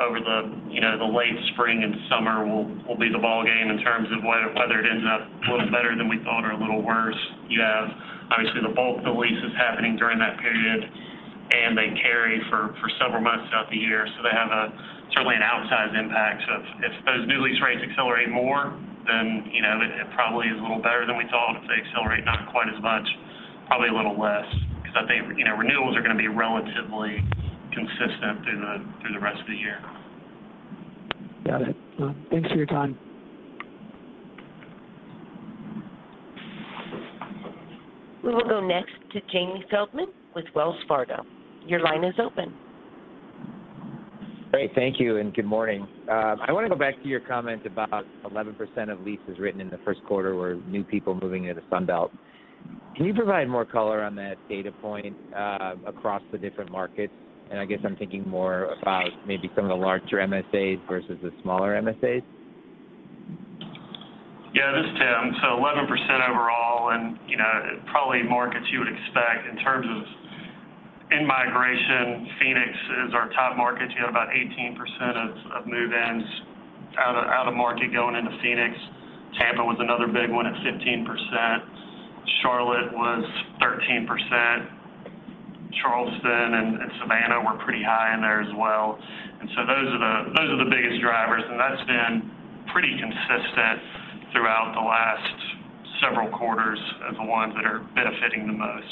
Speaker 4: over the, you know, the late spring and summer will be the ball game in terms of whether it ends up a little better than we thought or a little worse. You have obviously the bulk of the leases happening during that period. They carry for several months throughout the year. They have a certainly an outsized impact. If those new lease rates accelerate more then, you know, it probably is a little better than we thought. If they accelerate not quite as much, probably a little less because I think, you know, renewals are gonna be relatively consistent through the rest of the year.
Speaker 18: Got it. Well, thanks for your time.
Speaker 1: We will go next to Jamie Feldman with Wells Fargo. Your line is open.
Speaker 19: Great. Thank you and good morning. I wanna go back to your comment about 11% of leases written in the first quarter were new people moving into Sun Belt. Can you provide more color on that data point across the different markets? I guess I'm thinking more about maybe some of the larger MSAs versus the smaller MSAs.
Speaker 4: Yeah, this is Tim. 11% overall and, you know, probably markets you would expect in terms of in-migration. Phoenix is our top market. You have about 18% of move-ins out of market going into Phoenix. Tampa was another big one at 15%. Charlotte was 13%. Charleston and Savannah were pretty high in there as well. Those are the biggest drivers, and that's been pretty consistent throughout the last several quarters as the ones that are benefiting the most.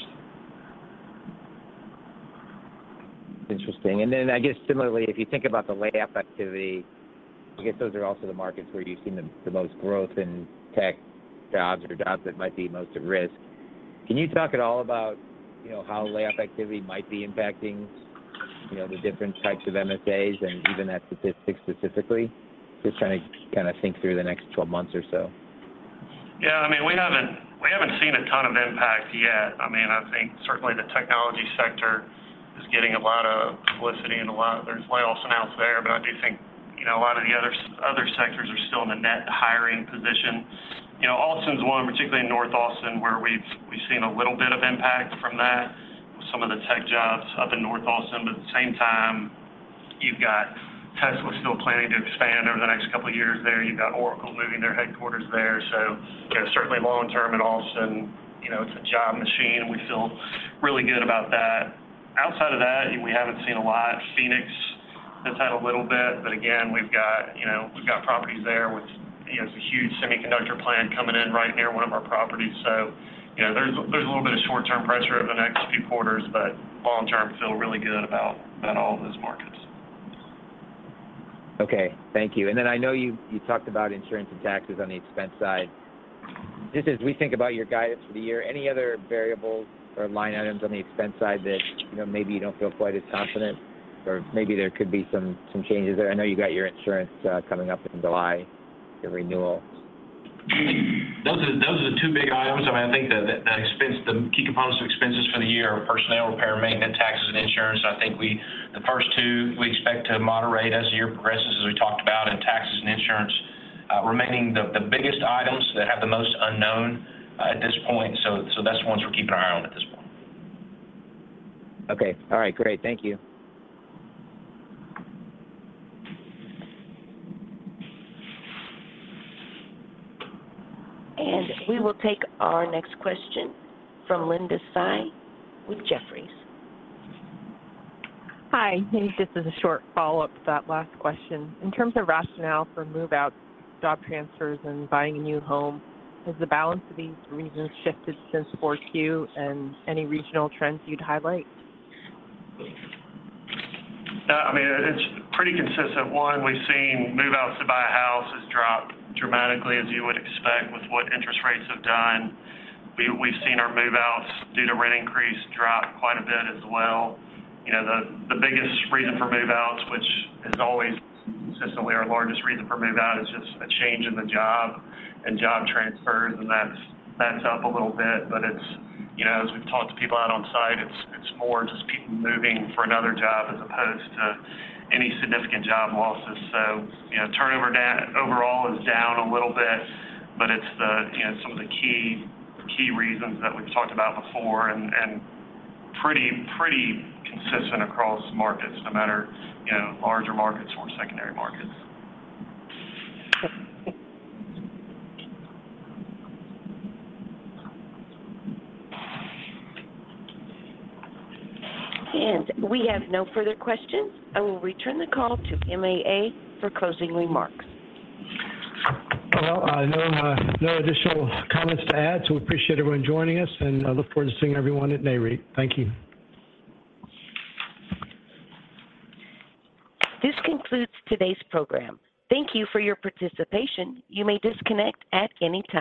Speaker 19: Interesting. I guess similarly, if you think about the layoff activity, I guess those are also the markets where you've seen the most growth in tech jobs or jobs that might be most at risk. Can you talk at all about, you know, how layoff activity might be impacting, you know, the different types of MSAs and even that statistic specifically? Just trying to kind of think through the next 12 months or so.
Speaker 4: I mean, we haven't, we haven't seen a ton of impact yet. I mean, I think certainly the technology sector is getting a lot of publicity and a lot... there's layoffs announced there. I do think, you know, a lot of the other sectors are still in the net hiring position. Austin's one, particularly North Austin, where we've seen a little bit of impact from that with some of the tech jobs up in North Austin. At the same time, you've got Tesla still planning to expand over the next couple of years there. You've got Oracle moving their headquarters there. Certainly long term in Austin, you know, it's a job machine. We feel really good about that. Outside of that, we haven't seen a lot. Phoenix has had a little bit, but again, we've got, you know, we've got properties there, which, you know, is a huge semiconductor plant coming in right near one of our properties. You know, there's a little bit of short-term pressure over the next few quarters, but long term feel really good about all of those markets.
Speaker 19: Okay, thank you. I know you talked about insurance and taxes on the expense side. Just as we think about your guidance for the year, any other variables or line items on the expense side that, you know, maybe you don't feel quite as confident or maybe there could be some changes there? I know you got your insurance coming up in July, your renewal.
Speaker 5: Those are the two big items. I mean, I think the key components of expenses for the year are personnel, repair, maintenance, taxes, and insurance. I think the first two we expect to moderate as the year progresses, as we talked about. Taxes and insurance remaining the biggest items that have the most unknown at this point. That's the ones we're keeping our eye on at this point.
Speaker 19: Okay. All right, great. Thank you.
Speaker 1: We will take our next question from Linda Tsai with Jefferies.
Speaker 20: Hi. This is a short follow-up to that last question. In terms of rationale for move-out, job transfers, and buying a new home, has the balance of these reasons shifted since 4Q, and any regional trends you'd highlight?
Speaker 4: I mean, it's pretty consistent. One, we've seen move-outs to buy a house has dropped dramatically as you would expect with what interest rates have done. We've seen our move-outs due to rent increase drop quite a bit as well. You know, the biggest reason for move-outs, which is always consistently our largest reason for move-out, is just a change in the job and job transfers, and that's up a little bit. it's, you know, as we've talked to people out on site, it's more just people moving for another job as opposed to any significant job losses. you know, turnover overall is down a little bit, but it's the, you know, some of the key reasons that we've talked about before and pretty consistent across markets no matter, you know, larger markets or secondary markets.
Speaker 1: We have no further questions. I will return the call to MAA for closing remarks.
Speaker 3: Well, no additional comments to add, so appreciate everyone joining us, and I look forward to seeing everyone at Nareit. Thank you.
Speaker 1: This concludes today's program. Thank you for your participation. You may disconnect at any time.